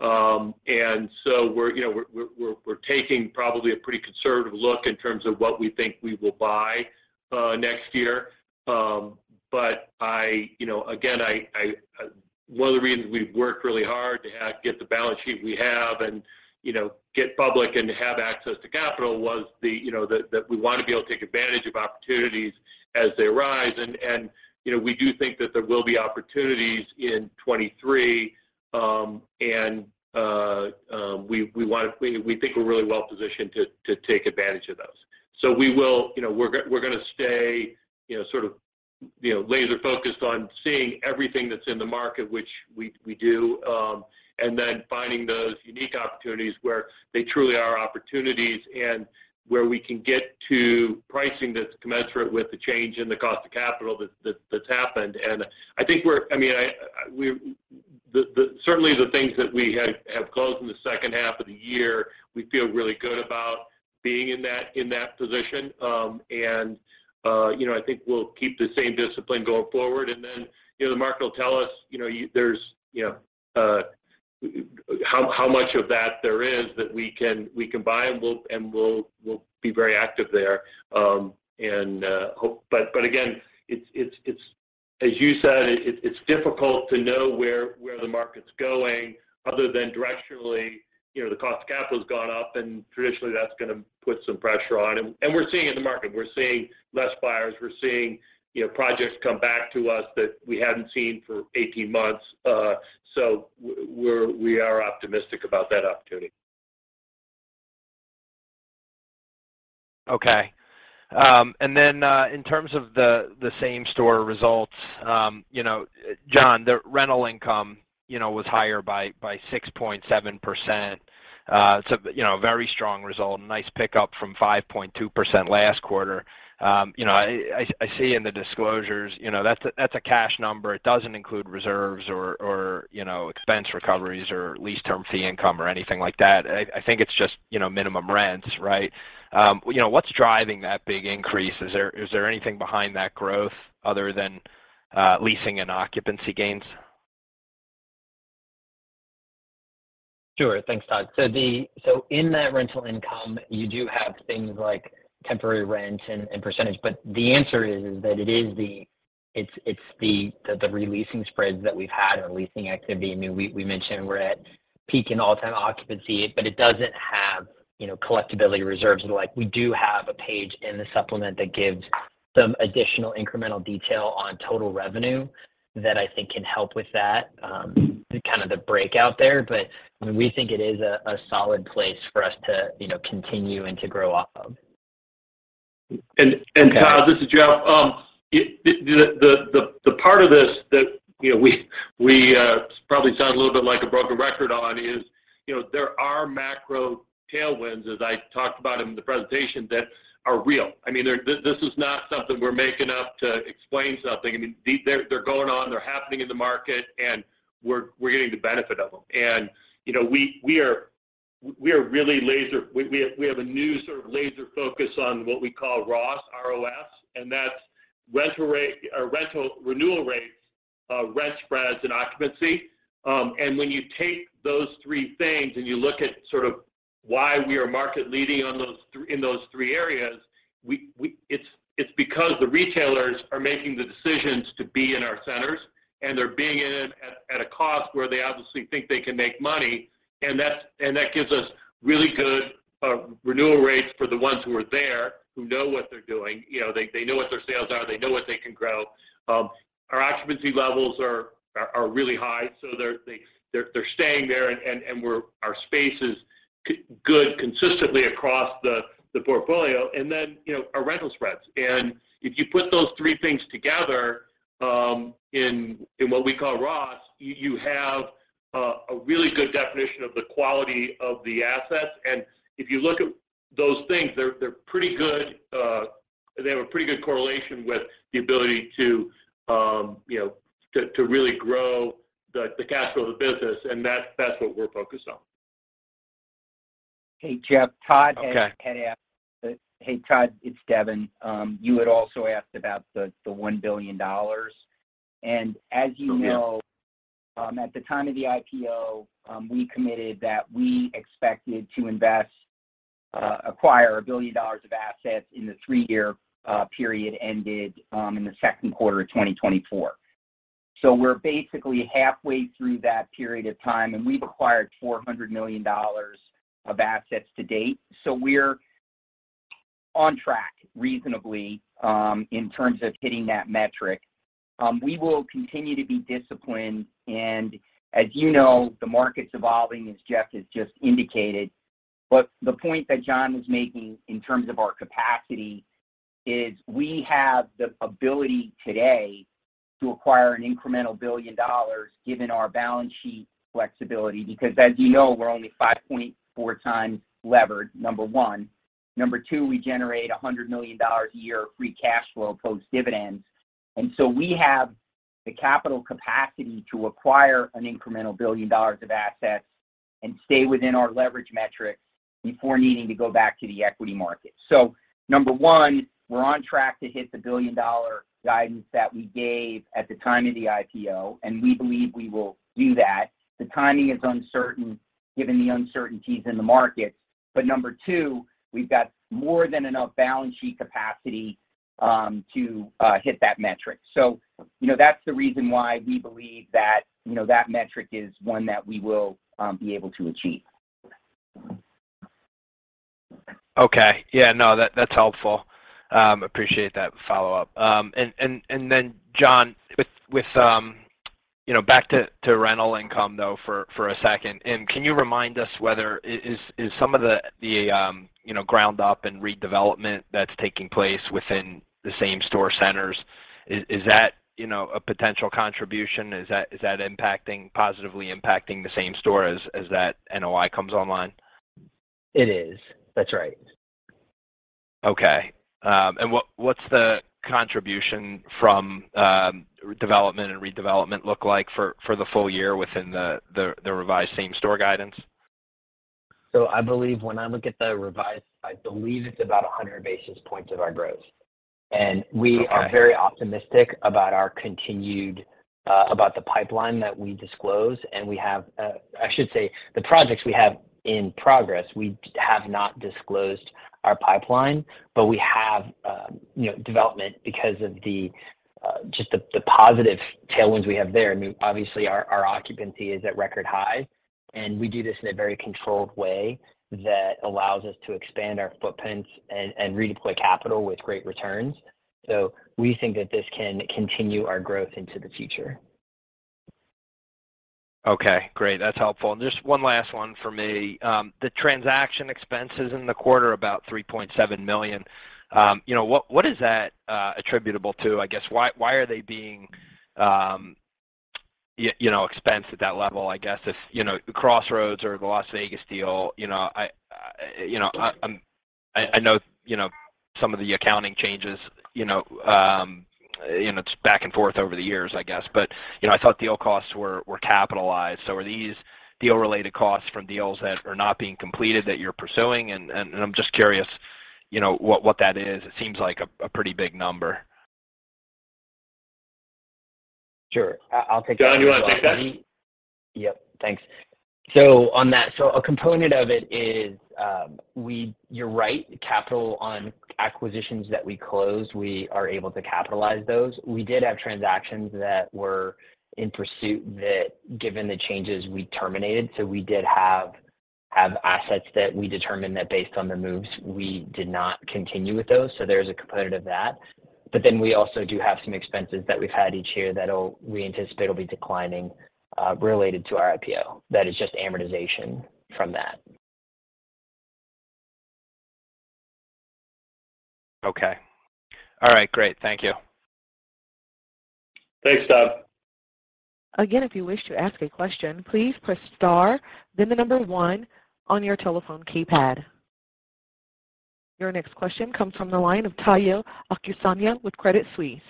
Speaker 3: less confident in when that's gonna happen. We're, you know, taking probably a pretty conservative look in terms of what we think we will buy next year. I, you know, again, one of the reasons we've worked really hard to get the balance sheet we have and, you know, get public and have access to capital was that we want to be able to take advantage of opportunities as they arise. You know, we do think that there will be opportunities in 2023. We want to, we think we're really well positioned to take advantage of those. We will, you know, we're gonna stay, you know, sort of, you know, laser focused on seeing everything that's in the market, which we do, and then finding those unique opportunities where they truly are opportunities and where we can get to pricing that's commensurate with the change in the cost of capital that's happened. I mean, certainly the things that we have closed in the second half of the year, we feel really good about being in that position. You know, I think we'll keep the same discipline going forward. The market will tell us, you know, there's, you know, how much of that there is that we can buy, and we'll be very active there. Again, it's as you said, it's difficult to know where the market's going other than directionally, you know, the cost of capital's gone up, and traditionally that's going to put some pressure on. We're seeing it in the market. We're seeing less buyers. We're seeing, you know, projects come back to us that we hadn't seen for 18 months. We're optimistic about that opportunity.
Speaker 11: Okay. In terms of the same store results, you know, John, the rental income, you know, was higher by 6.7%. You know, very strong result. Nice pickup from 5.2% last quarter. You know, I see in the disclosures, you know, that's a cash number. It doesn't include reserves or, you know, expense recoveries or lease termination fee income or anything like that. I think it's just, you know, minimum rents, right? You know, what's driving that big increase? Is there anything behind that growth other than leasing and occupancy gains?
Speaker 5: Sure. Thanks, Todd. In that rental income, you do have things like temporary rent and percentage. The answer is that it is the re-leasing spreads that we've had or leasing activity. I mean, we mentioned we're at peak and all-time occupancy, but it doesn't have collectibility reserves and the like. We do have a page in the supplement that gives some additional incremental detail on total revenue that I think can help with that kind of the breakout there. I mean, we think it is a solid place for us to continue and to grow off of.
Speaker 3: Todd, this is Jeff. The part of this that, you know, we probably sound a little bit like a broken record on is, you know, there are macro tailwinds, as I talked about in the presentation, that are real. I mean, they're. This is not something we're making up to explain something. I mean, they're going on, they're happening in the market, and we're getting the benefit of them. You know, we have a new sort of laser focus on what we call ROS, R-O-S, and that's rental renewal rates, rent spreads and occupancy. When you take those three things and you look at sort of why we are market leading in those three areas, it's because the retailers are making the decisions to be in our centers, and they're being in at a cost where they obviously think they can make money. That gives us really good renewal rates for the ones who are there who know what they're doing. You know, they know what their sales are, they know what they can grow. Our occupancy levels are really high, so they're staying there and we're our space is good consistently across the portfolio. Then, you know, our rental spreads. If you put those three things together, in what we call ROS, you have a really good definition of the quality of the assets. If you look at those things, they're pretty good. They have a pretty good correlation with the ability to, you know, to really grow the cash flow of the business, and that's what we're focused on.
Speaker 4: Hey, Jeff. Todd had asked.
Speaker 11: Okay.
Speaker 4: Hey, Todd, it's Devin. You had also asked about the $1 billion. As you know, at the time of the IPO, we committed that we expected to acquire $1 billion of assets in the three-year period ended in the second quarter of 2024. We're basically halfway through that period of time, and we've acquired $400 million of assets to date. We're on track reasonably in terms of hitting that metric. We will continue to be disciplined, and as you know, the market's evolving as Jeff has just indicated. The point that John was making in terms of our capacity is we have the ability today to acquire an incremental $1 billion given our balance sheet flexibility, because as you know, we're only 5.4x levered, number one. Number two, we generate $100 million a year of free cash flow post dividends. We have the capital capacity to acquire an incremental $1 billion of assets and stay within our leverage metric before needing to go back to the equity market. Number one, we're on track to hit the billion-dollar guidance that we gave at the time of the IPO, and we believe we will do that. The timing is uncertain given the uncertainties in the markets. Number two, we've got more than enough balance sheet capacity to hit that metric. You know, that's the reason why we believe that, you know, that metric is one that we will be able to achieve.
Speaker 11: Okay. Yeah, no, that's helpful. Appreciate that follow-up. Then John, with you know, back to rental income though for a second. Can you remind us whether is some of the you know, ground up and redevelopment that's taking place within the same store centers, is that a potential contribution? Is that impacting, positively impacting the same store as that NOI comes online?
Speaker 5: It is. That's right.
Speaker 11: Okay. What's the contribution from development and redevelopment look like for the full year within the revised same store guidance?
Speaker 5: I believe when I look at the revised, I believe it's about 100 basis points of our growth.
Speaker 11: Okay.
Speaker 5: We are very optimistic about our continued about the pipeline that we disclose. We have I should say the projects we have in progress. We have not disclosed our pipeline, but we have you know development because of just the positive tailwinds we have there. I mean, obviously our occupancy is at record high, and we do this in a very controlled way that allows us to expand our footprint and redeploy capital with great returns. We think that this can continue our growth into the future.
Speaker 11: Okay, great. That's helpful. Just one last one for me. The transaction expenses in the quarter about $3.7 million, you know, what is that attributable to? I guess, why are they being you know, expensed at that level, I guess, if you know, Crossroads or the Las Vegas deal, you know, I know some of the accounting changes, you know, it's back and forth over the years, I guess, but you know, I thought deal costs were capitalized. Are these deal-related costs from deals that are not being completed that you're pursuing? I'm just curious, you know, what that is. It seems like a pretty big number.
Speaker 5: Sure. I'll take that.
Speaker 3: John, you wanna take that?
Speaker 5: Yep. Thanks. On that, a component of it is, you're right, capital on acquisitions that we close, we are able to capitalize those. We did have transactions that were in pursuit that given the changes we terminated. We did have assets that we determined that based on the moves, we did not continue with those. There's a component of that, we also do have some expenses that we've had each year that we anticipate will be declining, related to our IPO. That is just amortization from that.
Speaker 11: Okay. All right, great. Thank you.
Speaker 3: Thanks, Todd.
Speaker 1: Again, if you wish to ask a question, please press star, then the number one on your telephone keypad. Your next question comes from the line of Tayo Okusanya with Credit Suisse.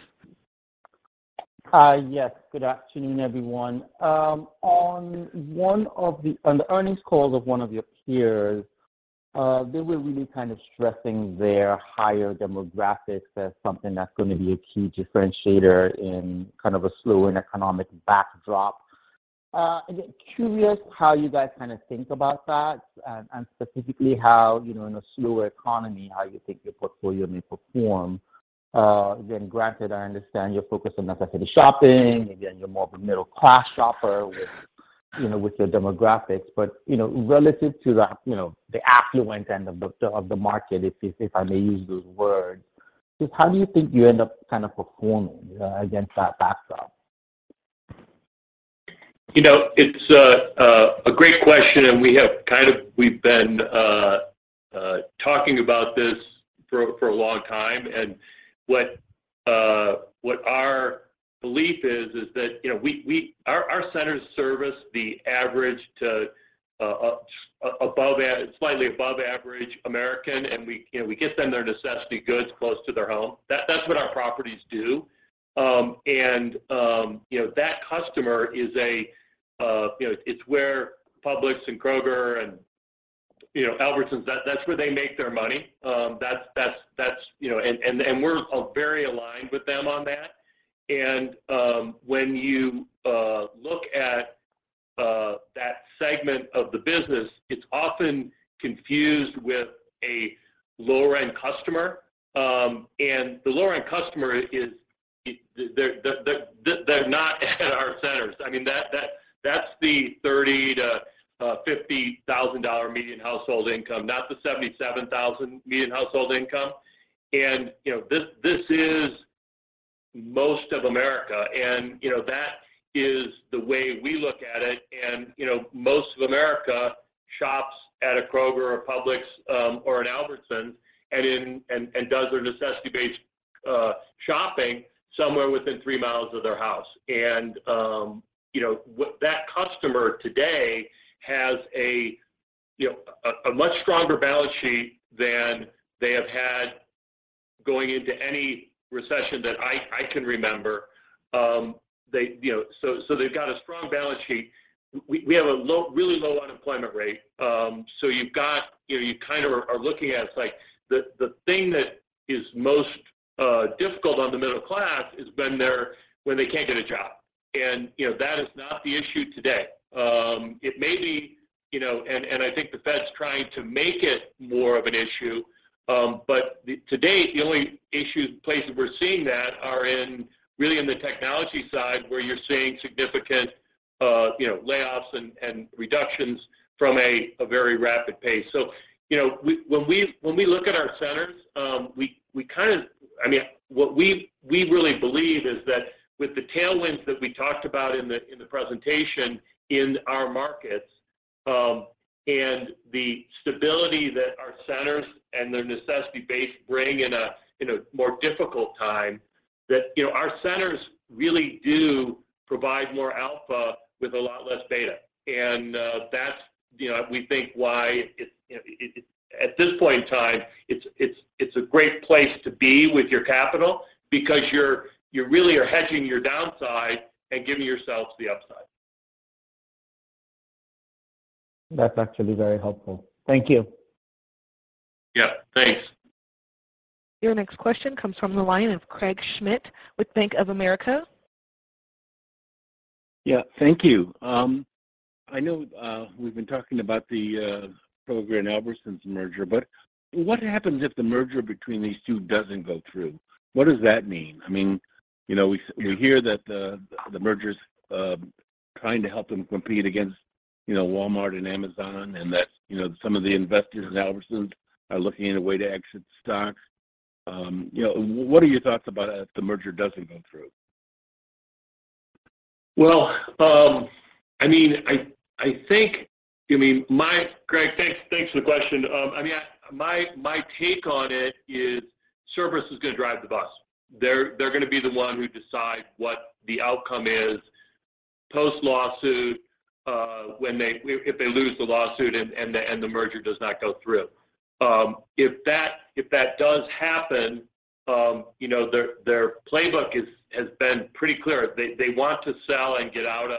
Speaker 12: Yes, good afternoon, everyone. On the earnings call of one of your peers, they were really kind of stressing their higher demographics as something that's going to be a key differentiator in kind of a slowing economic backdrop. Curious how you guys kind of think about that, and specifically how, you know, in a slower economy, how you think your portfolio may perform. Again, granted, I understand you're focused on necessity shopping. Again, you're more of a middle-class shopper with, you know, with your demographics. But, you know, relative to you know, the affluent end of the market, if I may use those words, just how do you think you end up kind of performing against that backdrop?
Speaker 3: You know, it's a great question. We've been talking about this for a long time. What our belief is is that our centers service the average to slightly above average American, and we get them their necessity goods close to their home. That's what our properties do. That customer, it's where Publix and Kroger and Albertsons make their money. We're very aligned with them on that. When you look at that segment of the business, it's often confused with a lower-end customer. The lower-end customer is, they're not at our centers. I mean, that's the $30,000-$50,000 median household income, not the $77,000 median household income. You know, this is most of America. You know, that is the way we look at it. You know, most of America shops at a Kroger or Publix or an Albertsons and does their necessity-based shopping somewhere within 3 mi of their house. You know, what that customer today has a much stronger balance sheet than they have had going into any recession that I can remember. They've got a strong balance sheet. We have a really low unemployment rate. You've got, you know, you kind of are looking at it's like the thing that is most difficult on the middle class is when they can't get a job. You know, that is not the issue today. It may be, you know, and I think the Fed's trying to make it more of an issue, but to date, the only places we're seeing that are really in the technology side where you're seeing significant, you know, layoffs and reductions from a very rapid pace. You know, when we look at our centers, we kind of. I mean, what we really believe is that with the tailwinds that we talked about in the presentation in our markets, and the stability that our centers and their necessity base bring in a more difficult time that, you know, our centers really do provide more alpha with a lot less beta. That's, you know, we think why it at this point in time, it's a great place to be with your capital because you really are hedging your downside and giving yourselves the upside.
Speaker 12: That's actually very helpful. Thank you.
Speaker 3: Yeah, thanks.
Speaker 1: Your next question comes from the line of Craig Schmidt with Bank of America.
Speaker 13: Yeah, thank you. I know, we've been talking about the Kroger and Albertsons merger, but what happens if the merger between these two doesn't go through? What does that mean? I mean, you know, we-
Speaker 3: Yeah.
Speaker 13: We hear that the merger's trying to help them compete against, you know, Walmart and Amazon, and that, you know, some of the investors in Albertsons are looking at a way to exit stock. You know, what are your thoughts about if the merger doesn't go through?
Speaker 3: Well, I mean, Craig, thanks for the question. I mean, my take on it is Cerberus is gonna drive the bus. They're gonna be the one who decide what the outcome is post-lawsuit, if they lose the lawsuit and the merger does not go through. If that does happen, you know, their playbook has been pretty clear. They want to sell and get out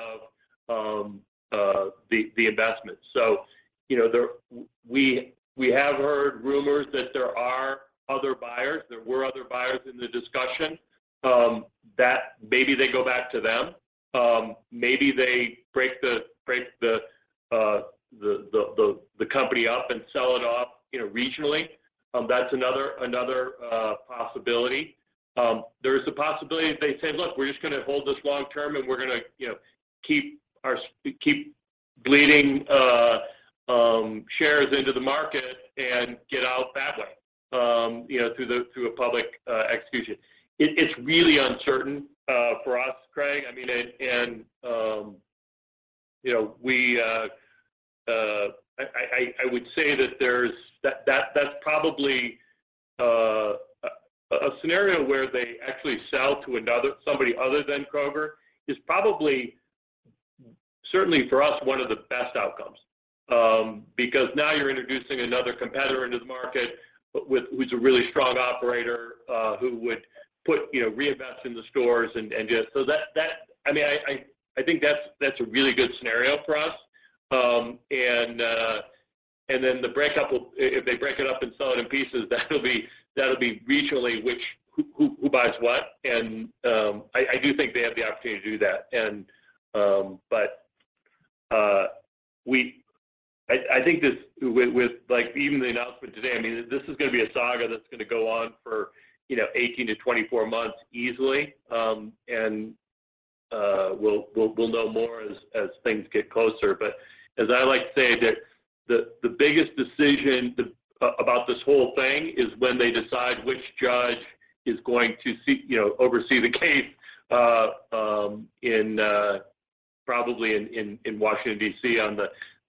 Speaker 3: of the investment. You know, we have heard rumors that there are other buyers. There were other buyers in the discussion that maybe they go back to them. Maybe they break the company up and sell it off, you know, regionally. That's another possibility. There is a possibility that they say, "Look, we're just gonna hold this long term, and we're gonna, you know, keep bleeding shares into the market and get out that way, you know, through a public execution." It's really uncertain for us, Craig. I would say that's probably a scenario where they actually sell to another somebody other than Kroger, is probably certainly for us, one of the best outcomes. Because now you're introducing another competitor into the market but with who's a really strong operator, who would put, you know, reinvest in the stores. I think that's a really good scenario for us. The breakup will. If they break it up and sell it in pieces, that'll be regionally which who buys what. I do think they have the opportunity to do that. I think, with like, even the announcement today, I mean, this is gonna be a saga that's gonna go on for, you know, 18-24 months easily. We'll know more as things get closer. As I like to say, the biggest decision about this whole thing is when they decide which judge is going to, you know, oversee the case, probably in Washington, D.C.,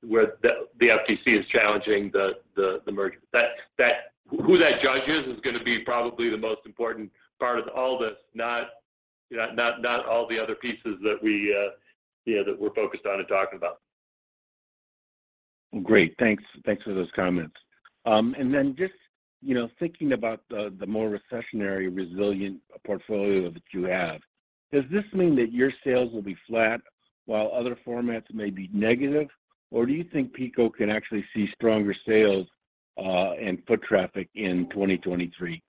Speaker 3: where the FTC is challenging the merger. Who that judge is gonna be probably the most important part of all this, not all the other pieces that we, you know, that we're focused on and talking about.
Speaker 13: Great. Thanks. Thanks for those comments. Just, you know, thinking about the more recessionary resilient portfolio that you have, does this mean that your sales will be flat while other formats may be negative, or do you think PECO can actually see stronger sales and foot traffic in 2023?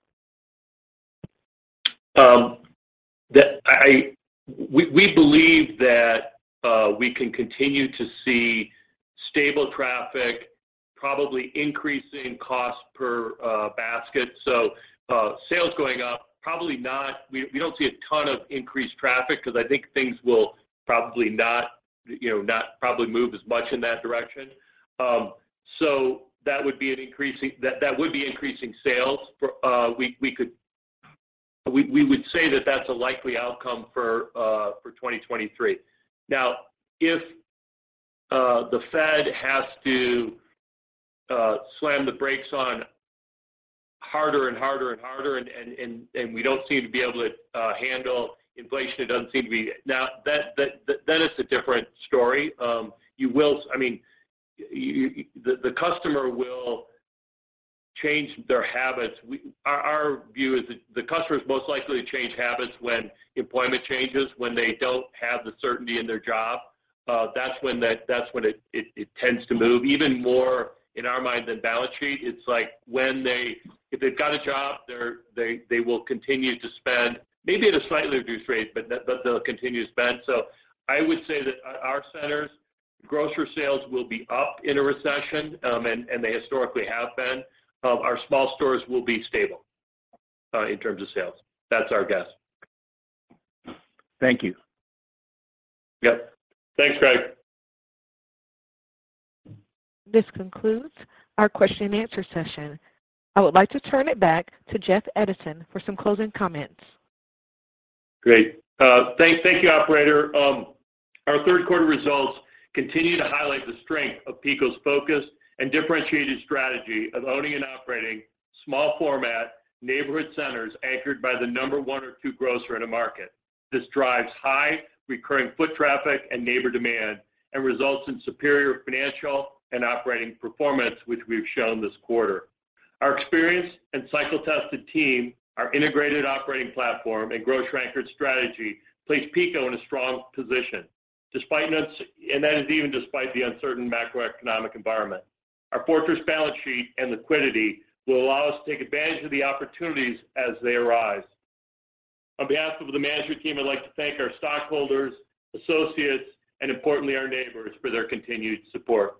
Speaker 3: We believe that we can continue to see stable traffic, probably increasing cost per basket. Sales going up, probably not. We don't see a ton of increased traffic because I think things will probably not, you know, move as much in that direction. That would be increasing sales. We would say that that's a likely outcome for 2023. Now, if the Fed has to slam the brakes on harder and harder and we don't seem to be able to handle inflation, it doesn't seem to be that is a different story. I mean, the customer will change their habits. Our view is the customer is most likely to change habits when employment changes, when they don't have the certainty in their job. That's when it tends to move even more in our mind than balance sheet. It's like when they if they've got a job, they will continue to spend maybe at a slightly reduced rate, but they'll continue to spend. I would say that our centers, grocery sales will be up in a recession, and they historically have been. Our small stores will be stable in terms of sales. That's our guess.
Speaker 13: Thank you.
Speaker 3: Yep. Thanks, Craig.
Speaker 1: This concludes our question and answer session. I would like to turn it back to Jeff Edison for some closing comments.
Speaker 3: Great. Thank you, operator. Our third quarter results continue to highlight the strength of PECO's focus and differentiated strategy of owning and operating small format neighborhood centers anchored by the number one or two grocer in a market. This drives high recurring foot traffic and Neighbor demand and results in superior financial and operating performance, which we've shown this quarter. Our experienced and cycle-tested team, our integrated operating platform, and grocery-anchored strategy place PECO in a strong position despite the uncertain macroeconomic environment. Our fortress balance sheet and liquidity will allow us to take advantage of the opportunities as they arise. On behalf of the management team, I'd like to thank our stockholders, associates, and importantly, our Neighbors for their continued support.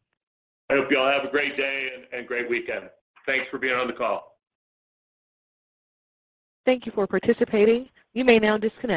Speaker 3: I hope you all have a great day and great weekend. Thanks for being on the call.
Speaker 1: Thank you for participating. You may now disconnect.